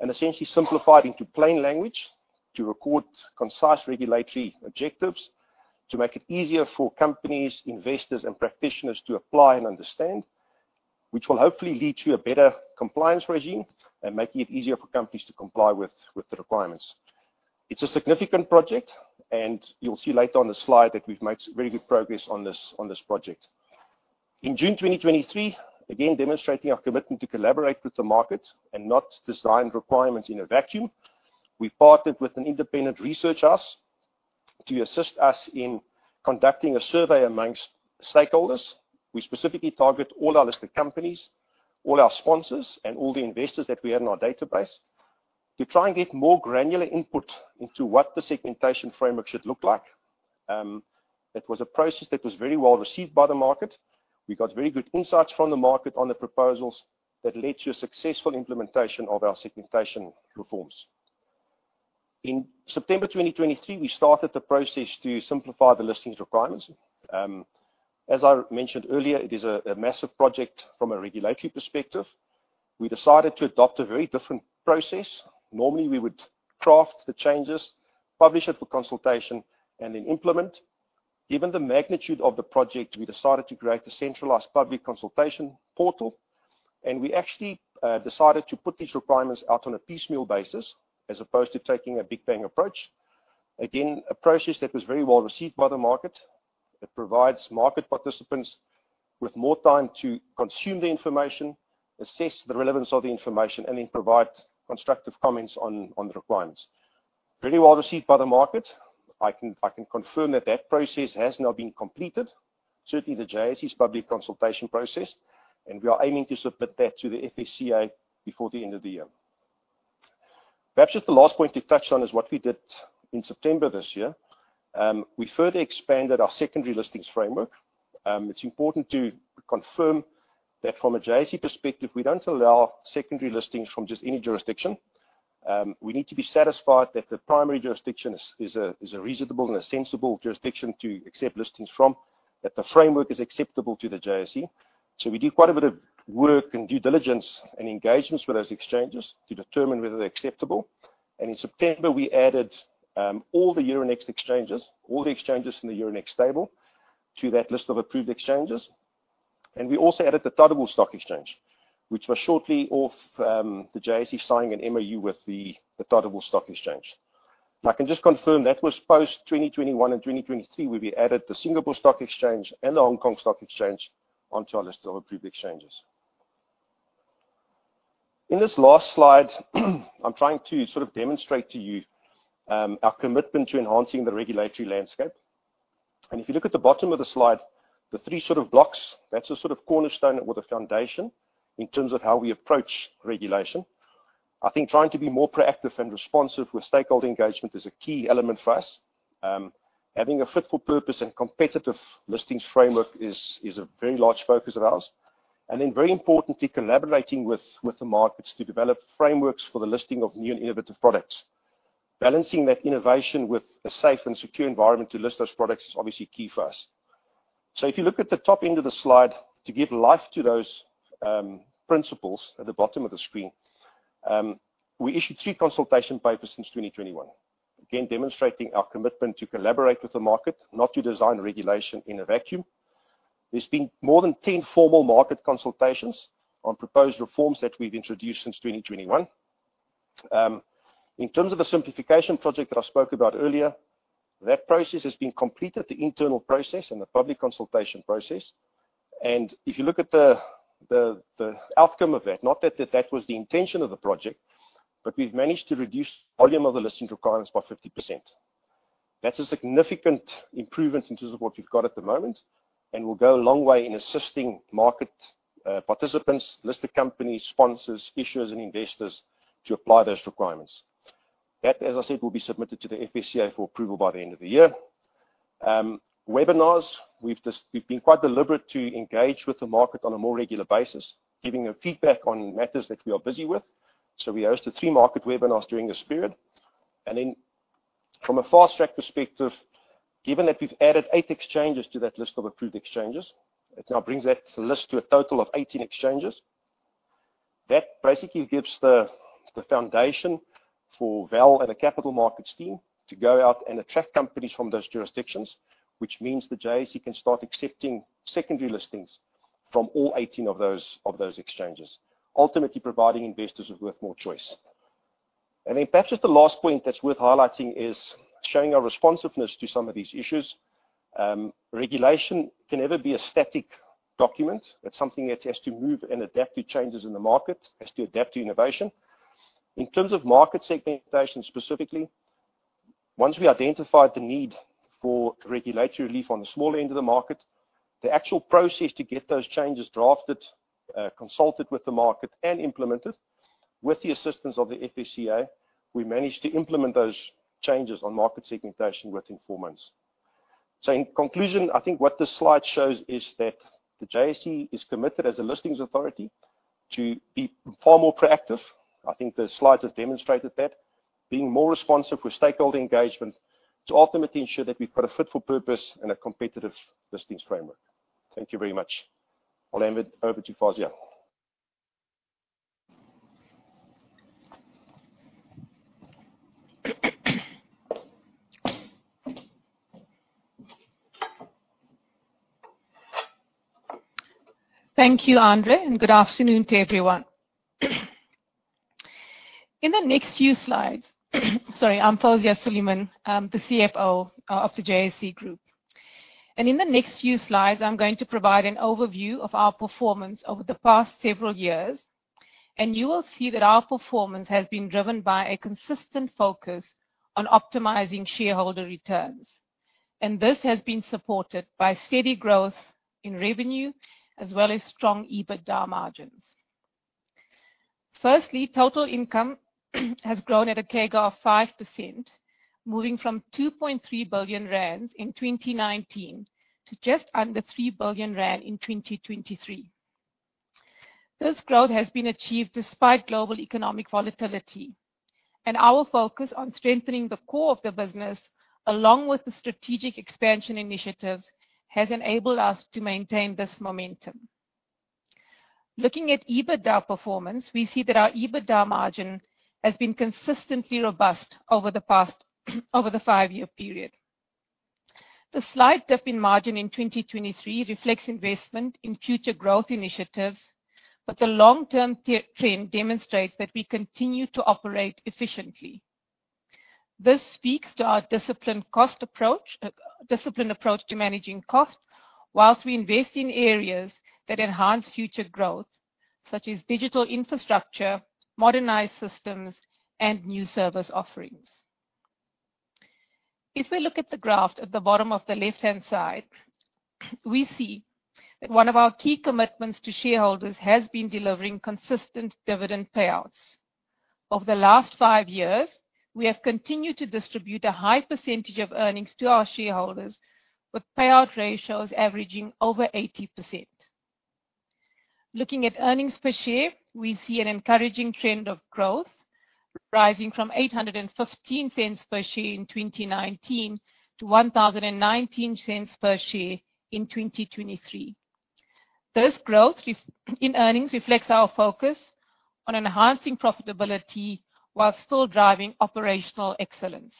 [SPEAKER 6] and essentially simplify it into plain language, to record concise regulatory objectives, to make it easier for companies, investors, and practitioners to apply and understand, which will hopefully lead to a better compliance regime and making it easier for companies to comply with, with the requirements. It's a significant project, and you'll see later on in the slide that we've made some very good progress on this, on this project. In June 2023, again, demonstrating our commitment to collaborate with the market and not design requirements in a vacuum, we partnered with an independent research house to assist us in conducting a survey among stakeholders. We specifically target all our listed companies, all our sponsors, and all the investors that we have in our database, to try and get more granular input into what the segmentation framework should look like. That was a process that was very well received by the market. We got very good insights from the market on the proposals that led to a successful implementation of our segmentation reforms. In September 2023, we started the process to simplify the listings requirements. As I mentioned earlier, it is a massive project from a regulatory perspective. We decided to adopt a very different process. Normally, we would draft the changes, publish it for consultation, and then implement. Given the magnitude of the project, we decided to create a centralized public consultation portal, and we actually decided to put these requirements out on a piecemeal basis, as opposed to taking a big bang approach. Again, a process that was very well received by the market. It provides market participants with more time to consume the information, assess the relevance of the information, and then provide constructive comments on the requirements. Very well received by the market. I can confirm that process has now been completed, certainly the JSE's public consultation process, and we are aiming to submit that to the FSCA before the end of the year. Perhaps just the last point to touch on is what we did in September this year. We further expanded our secondary listings framework. It's important to confirm that from a JSE perspective, we don't allow secondary listings from just any jurisdiction. We need to be satisfied that the primary jurisdiction is a reasonable and a sensible jurisdiction to accept listings from, that the framework is acceptable to the JSE. So we do quite a bit of work and due diligence and engagements with those exchanges to determine whether they're acceptable. And in September, we added all the Euronext exchanges, all the exchanges in the Euronext stable, to that list of approved exchanges. And we also added the Tadawul Stock Exchange, which was shortly after the JSE signing an MOU with the Tadawul Stock Exchange. I can just confirm that was post-2021 and 2023, where we added the Singapore Stock Exchange and the Hong Kong Stock Exchange onto our list of approved exchanges. In this last slide, I'm trying to sort of demonstrate to you our commitment to enhancing the regulatory landscape. If you look at the bottom of the slide, the three sort of blocks, that's the sort of cornerstone or the foundation in terms of how we approach regulation. I think trying to be more proactive and responsive with stakeholder engagement is a key element for us. Having a fit for purpose and competitive listings framework is a very large focus of ours, and then, very importantly, collaborating with the markets to develop frameworks for the listing of new and innovative products. Balancing that innovation with a safe and secure environment to list those products is obviously key for us. So if you look at the top end of the slide, to give life to those principles at the bottom of the screen, we issued three consultation papers since 2021. Again, demonstrating our commitment to collaborate with the market, not to design regulation in a vacuum. There's been more than 10 formal market consultations on proposed reforms that we've introduced since 2021. In terms of the simplification project that I spoke about earlier, that process has been completed, the internal process and the public consultation process, and if you look at the outcome of that, not that that was the intention of the project, but we've managed to reduce volume of the listing requirements by 50%. That's a significant improvement in terms of what we've got at the moment, and will go a long way in assisting market participants, listed companies, sponsors, issuers, and investors to apply those requirements. That, as I said, will be submitted to the FSCA for approval by the end of the year. Webinars, we've been quite deliberate to engage with the market on a more regular basis, giving them feedback on matters that we are busy with. So we hosted three market webinars during this period. And then from a Fast Track perspective, given that we've added eight exchanges to that list of approved exchanges, it now brings that list to a total of eighteen exchanges. That basically gives the foundation for Val and the capital markets team to go out and attract companies from those jurisdictions, which means the JSE can start accepting secondary listings from all eighteen of those exchanges, ultimately providing investors with more choice. And then perhaps just the last point that's worth highlighting is showing our responsiveness to some of these issues. Regulation can never be a static document. It's something that has to move and adapt to changes in the market, has to adapt to innovation. In terms of market segmentation, specifically, once we identified the need for regulatory relief on the small end of the market, the actual process to get those changes drafted, consulted with the market, and implemented, with the assistance of the FSCA, we managed to implement those changes on market segmentation within four months. So in conclusion, I think what this slide shows is that the JSE is committed as a listings authority to be far more proactive. I think the slides have demonstrated that, being more responsive with stakeholder engagement to ultimately ensure that we've got a fit for purpose and a competitive listings framework. Thank you very much. I'll hand it over to Fawzia.
[SPEAKER 7] Thank you, Andre, and good afternoon to everyone. In the next few slides... Sorry. I'm Fawzia Suliman, the CFO of the JSE Group. In the next few slides, I'm going to provide an overview of our performance over the past several years, and you will see that our performance has been driven by a consistent focus on optimizing shareholder returns, and this has been supported by steady growth in revenue as well as strong EBITDA margins. Firstly, total income has grown at a CAGR of 5%, moving from 2.3 billion rand in 2019 to just under 3 billion rand in 2023. This growth has been achieved despite global economic volatility, and our focus on strengthening the core of the business, along with the strategic expansion initiative, has enabled us to maintain this momentum. Looking at EBITDA performance, we see that our EBITDA margin has been consistently robust over the five-year period... The slight dip in margin in 2023 reflects investment in future growth initiatives, but the long-term trend demonstrates that we continue to operate efficiently. This speaks to our disciplined cost approach, disciplined approach to managing costs, while we invest in areas that enhance future growth, such as digital infrastructure, modernized systems, and new service offerings. If we look at the graph at the bottom of the left-hand side, we see that one of our key commitments to shareholders has been delivering consistent dividend payouts. Over the last five years, we have continued to distribute a high percentage of earnings to our shareholders, with payout ratios averaging over 80%. Looking at earnings per share, we see an encouraging trend of growth, rising from 8.15 per share in 2019 to 10.19 per share in 2023. This growth in earnings reflects our focus on enhancing profitability while still driving operational excellence,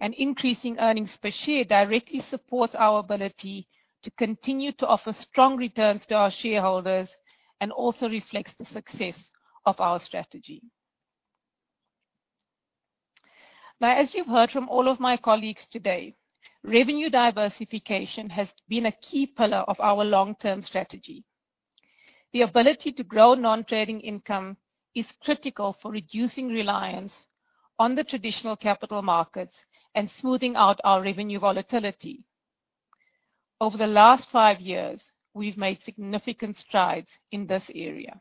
[SPEAKER 7] and increasing earnings per share directly supports our ability to continue to offer strong returns to our shareholders and also reflects the success of our strategy. Now, as you've heard from all of my colleagues today, revenue diversification has been a key pillar of our long-term strategy. The ability to grow non-trading income is critical for reducing reliance on the traditional capital markets and smoothing out our revenue volatility. Over the last five years, we've made significant strides in this area.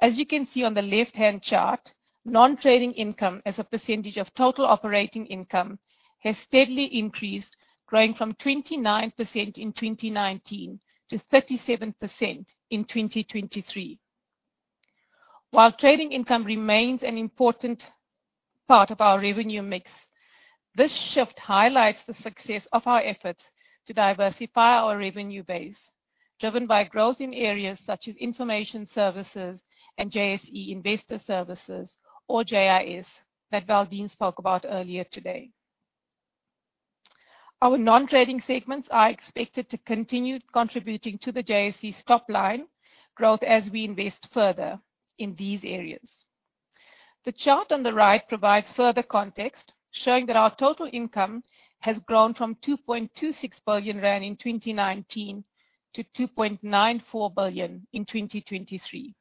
[SPEAKER 7] As you can see on the left-hand chart, non-trading income as a percentage of total operating income has steadily increased, growing from 29% in 2019 to 37% in 2023. While trading income remains an important part of our revenue mix, this shift highlights the success of our efforts to diversify our revenue base, driven by growth in areas such as information services and JSE Investor Services or JIS that Valdene spoke about earlier today. Our non-trading segments are expected to continue contributing to the JSE's top line growth as we invest further in these areas. The chart on the right provides further context, showing that our total income has grown from 2.26 billion rand in 2019 to 2.94 billion in 2023.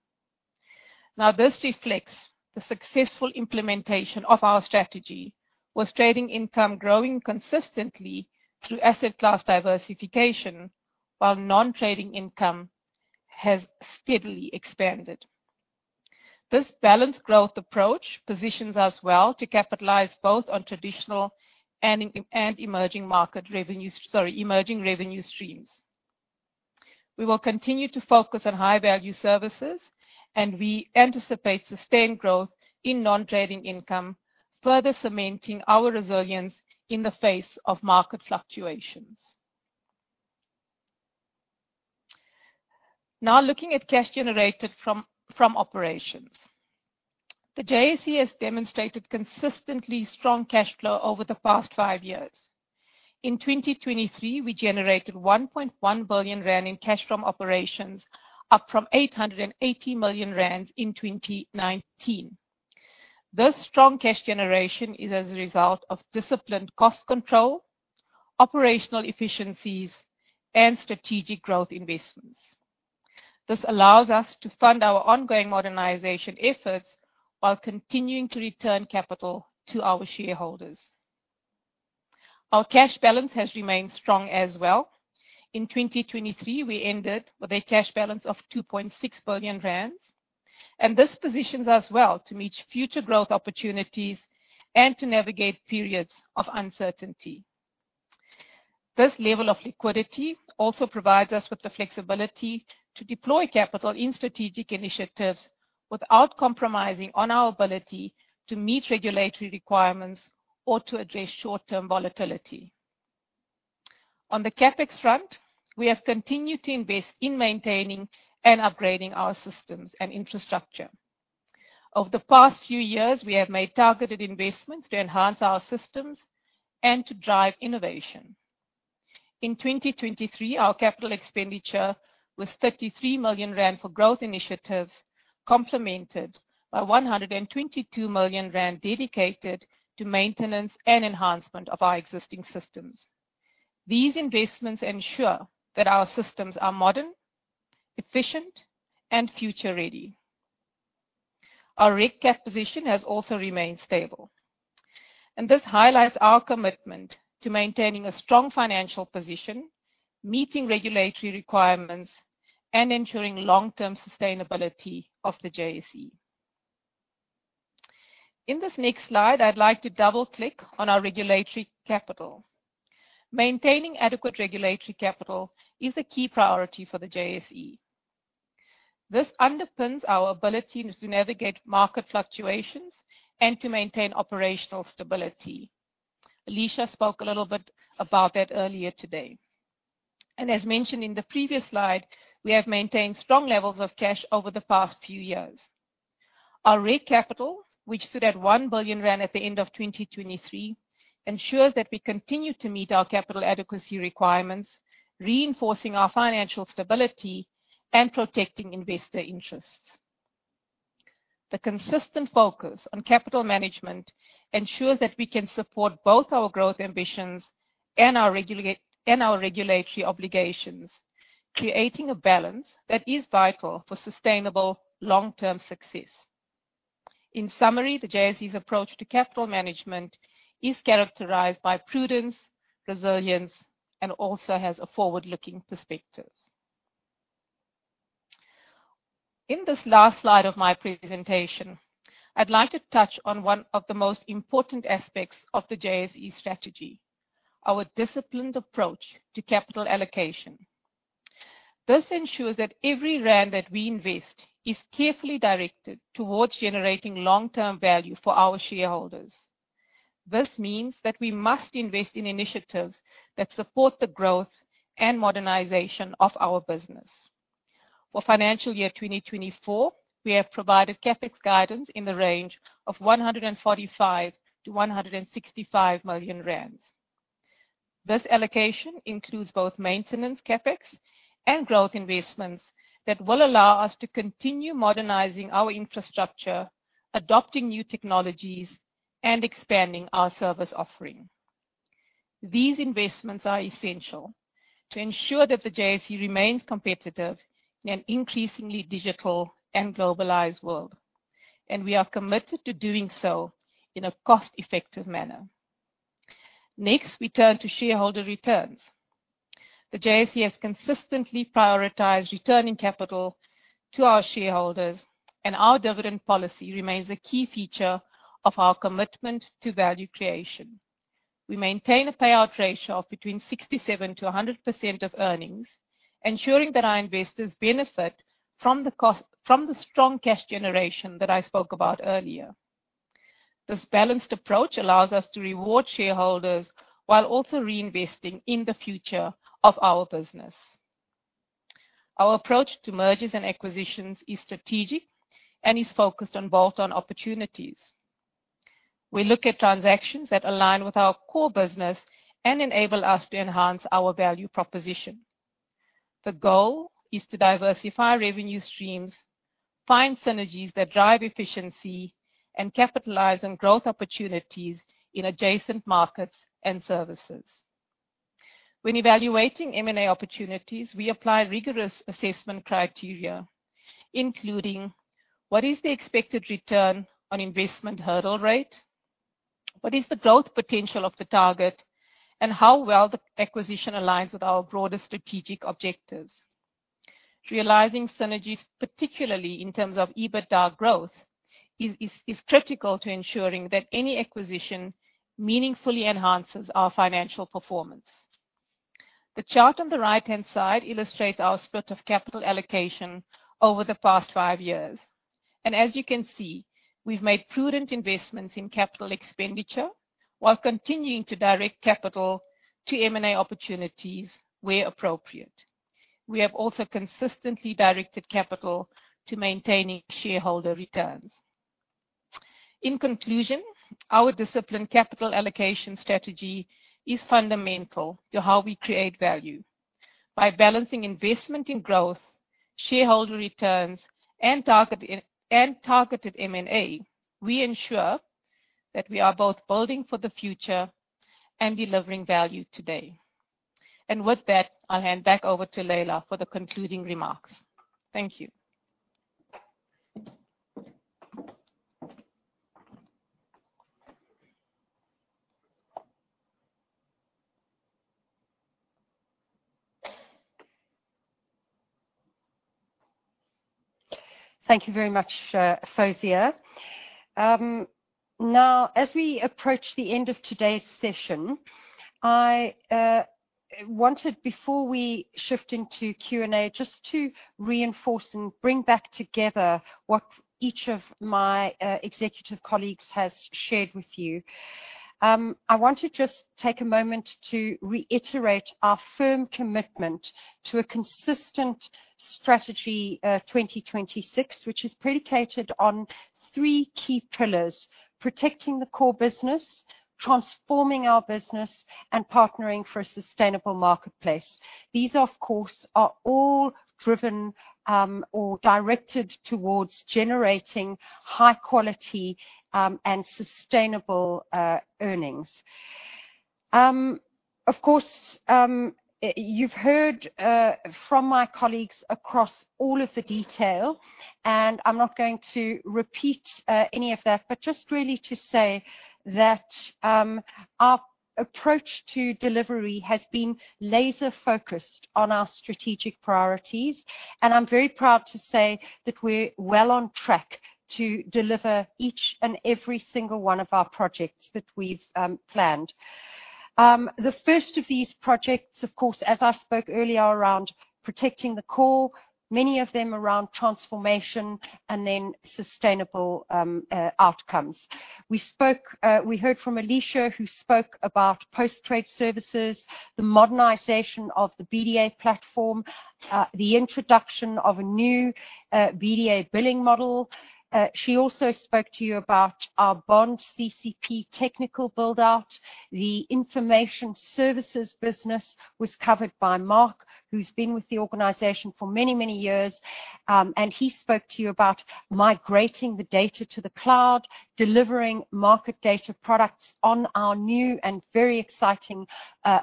[SPEAKER 7] Now, this reflects the successful implementation of our strategy, with trading income growing consistently through asset class diversification, while non-trading income has steadily expanded. This balanced growth approach positions us well to capitalize both on traditional and emerging market revenues, sorry, emerging revenue streams. We will continue to focus on high-value services, and we anticipate sustained growth in non-trading income, further cementing our resilience in the face of market fluctuations. Now, looking at cash generated from operations. The JSE has demonstrated consistently strong cash flow over the past five years. In 2023, we generated 1.1 billion rand in cash from operations, up from 880 million rand in 2019. This strong cash generation is as a result of disciplined cost control, operational efficiencies, and strategic growth investments. This allows us to fund our ongoing modernization efforts while continuing to return capital to our shareholders. Our cash balance has remained strong as well. In 2023, we ended with a cash balance of 2.6 billion rand, and this positions us well to meet future growth opportunities and to navigate periods of uncertainty. This level of liquidity also provides us with the flexibility to deploy capital in strategic initiatives without compromising on our ability to meet regulatory requirements or to address short-term volatility. On the CapEx front, we have continued to invest in maintaining and upgrading our systems and infrastructure. Over the past few years, we have made targeted investments to enhance our systems and to drive innovation. In 2023, our capital expenditure was 33 million rand for growth initiatives, complemented by 122 million rand dedicated to maintenance and enhancement of our existing systems. These investments ensure that our systems are modern, efficient, and future-ready. Our reg cap position has also remained stable, and this highlights our commitment to maintaining a strong financial position, meeting regulatory requirements, and ensuring long-term sustainability of the JSE. In this next slide, I'd like to double-click on our regulatory capital. Maintaining adequate regulatory capital is a key priority for the JSE. This underpins our ability to navigate market fluctuations and to maintain operational stability. Alicia spoke a little bit about that earlier today. As mentioned in the previous slide, we have maintained strong levels of cash over the past few years. Our regulatory capital, which stood at 1 billion rand at the end of 2023, ensures that we continue to meet our capital adequacy requirements, reinforcing our financial stability and protecting investor interests. The consistent focus on capital management ensures that we can support both our growth ambitions and our regulatory obligations, creating a balance that is vital for sustainable long-term success. In summary, the JSE's approach to capital management is characterized by prudence, resilience, and also has a forward-looking perspective. In this last slide of my presentation, I'd like to touch on one of the most important aspects of the JSE strategy: our disciplined approach to capital allocation. This ensures that every rand that we invest is carefully directed towards generating long-term value for our shareholders. This means that we must invest in initiatives that support the growth and modernization of our business. For financial year 2024, we have provided CapEx guidance in the range of 145 million-165 million rand. This allocation includes both maintenance CapEx and growth investments that will allow us to continue modernizing our infrastructure, adopting new technologies, and expanding our service offering. These investments are essential to ensure that the JSE remains competitive in an increasingly digital and globalized world, and we are committed to doing so in a cost-effective manner. Next, we turn to shareholder returns. The JSE has consistently prioritized returning capital to our shareholders, and our dividend policy remains a key feature of our commitment to value creation. We maintain a payout ratio of between 67%-100% of earnings, ensuring that our investors benefit from the strong cash generation that I spoke about earlier. This balanced approach allows us to reward shareholders while also reinvesting in the future of our business. Our approach to mergers and acquisitions is strategic and is focused on bolt-on opportunities. We look at transactions that align with our core business and enable us to enhance our value proposition. The goal is to diversify revenue streams, find synergies that drive efficiency, and capitalize on growth opportunities in adjacent markets and services. When evaluating M&A opportunities, we apply rigorous assessment criteria, including: what is the expected return on investment hurdle rate? What is the growth potential of the target, and how well the acquisition aligns with our broader strategic objectives? Realizing synergies, particularly in terms of EBITDA growth, is critical to ensuring that any acquisition meaningfully enhances our financial performance. The chart on the right-hand side illustrates our split of capital allocation over the past five years, and as you can see, we've made prudent investments in capital expenditure while continuing to direct capital to M&A opportunities where appropriate. We have also consistently directed capital to maintaining shareholder returns. In conclusion, our disciplined capital allocation strategy is fundamental to how we create value. By balancing investment in growth, shareholder returns, and targeted M&A, we ensure that we are both building for the future and delivering value today. And with that, I'll hand back over to Leila for the concluding remarks. Thank you.
[SPEAKER 1] Thank you very much, Fawzia. Now, as we approach the end of today's session, I wanted, before we shift into Q&A, just to reinforce and bring back together what each of my executive colleagues has shared with you. I want to just take a moment to reiterate our firm commitment to a consistent strategy, 2026, which is predicated on three key pillars: protecting the core business, transforming our business, and partnering for a sustainable marketplace. These, of course, are all driven, or directed towards generating high quality, and sustainable, earnings. Of course, you've heard from my colleagues across all of the detail, and I'm not going to repeat any of that, but just really to say that our approach to delivery has been laser-focused on our strategic priorities, and I'm very proud to say that we're well on track to deliver each and every single one of our projects that we've planned. The first of these projects, of course, as I spoke earlier, around protecting the core, many of them around transformation and then sustainable outcomes. We heard from Alicia, who spoke about Post-Trade Services, the modernization of the BDA platform, the introduction of a new BDA billing model. She also spoke to you about our Bond CCP technical build-out. The information services business was covered by Mark, who's been with the organization for many, many years, and he spoke to you about migrating the data to the cloud, delivering market data products on our new and very exciting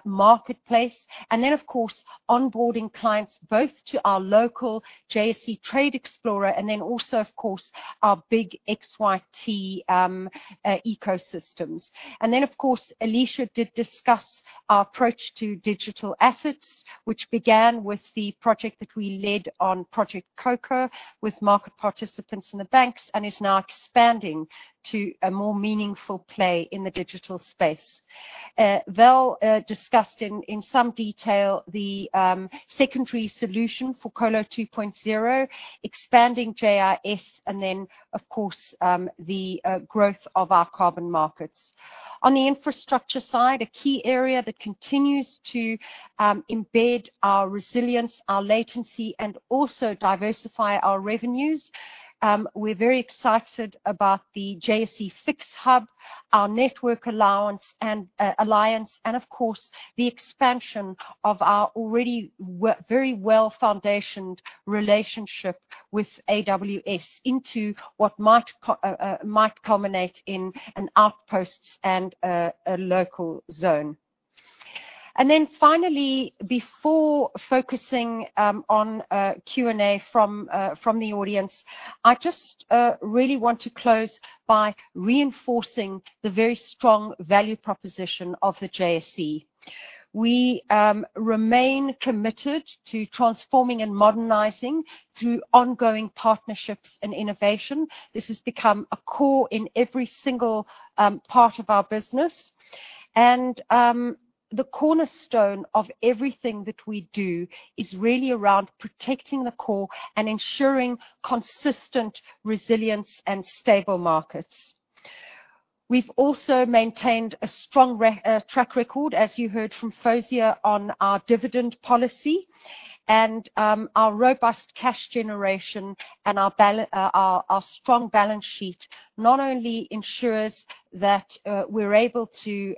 [SPEAKER 1] marketplace, and then, of course, onboarding clients both to our local JSE Trade Explorer and then also, of course, our big xyt ecosystems, and then, of course, Alicia did discuss our approach to digital assets, which began with the project that we led on Project Khokha with market participants in the banks, and is now expanding to a more meaningful play in the digital space. Valdene discussed in some detail the secondary solution for Colo 2.0, expanding JIS, and then, of course, the growth of our carbon markets. On the infrastructure side, a key area that continues to embed our resilience, our latency, and also diversify our revenues. We're very excited about the JSE-FIX Hub, our Network Alliance, and of course, the expansion of our already very well-founded relationship with AWS into what might culminate in an Outposts and a Local Zone. And then finally, before focusing on Q&A from the audience, I just really want to close by reinforcing the very strong value proposition of the JSE. We remain committed to transforming and modernizing through ongoing partnerships and innovation. This has become a core in every single part of our business. The cornerstone of everything that we do is really around protecting the core and ensuring consistent resilience and stable markets. We've also maintained a strong record, as you heard from Fawzia, on our dividend policy. And, our robust cash generation and our balance sheet, not only ensures that, we're able to,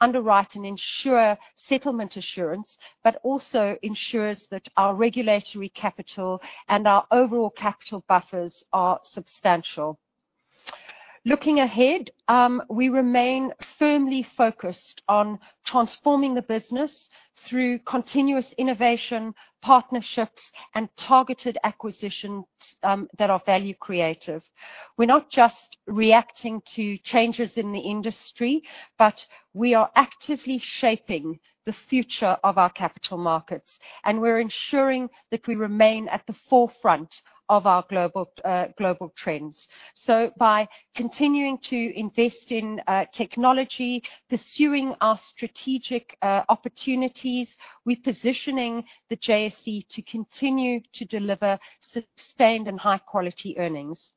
[SPEAKER 1] underwrite and ensure settlement assurance, but also ensures that our regulatory capital and our overall capital buffers are substantial. Looking ahead, we remain firmly focused on transforming the business through continuous innovation, partnerships, and targeted acquisitions, that are value creative. We're not just reacting to changes in the industry, but we are actively shaping the future of our capital markets, and we're ensuring that we remain at the forefront of our global trends. So by continuing to invest in, technology, pursuing our strategic, opportunities, we're positioning the JSE to continue to deliver sustained and high quality earnings.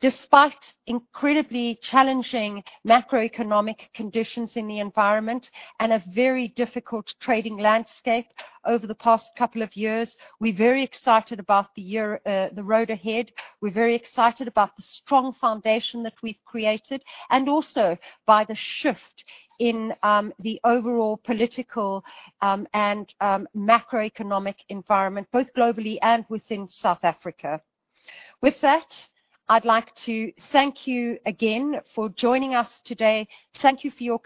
[SPEAKER 1] Despite incredibly challenging macroeconomic conditions in the environment and a very difficult trading landscape over the past couple of years, we're very excited about the year, the road ahead. We're very excited about the strong foundation that we've created, and also by the shift in, the overall political, and, macroeconomic environment, both globally and within South Africa. With that, I'd like to thank you again for joining us today. Thank you for your questions.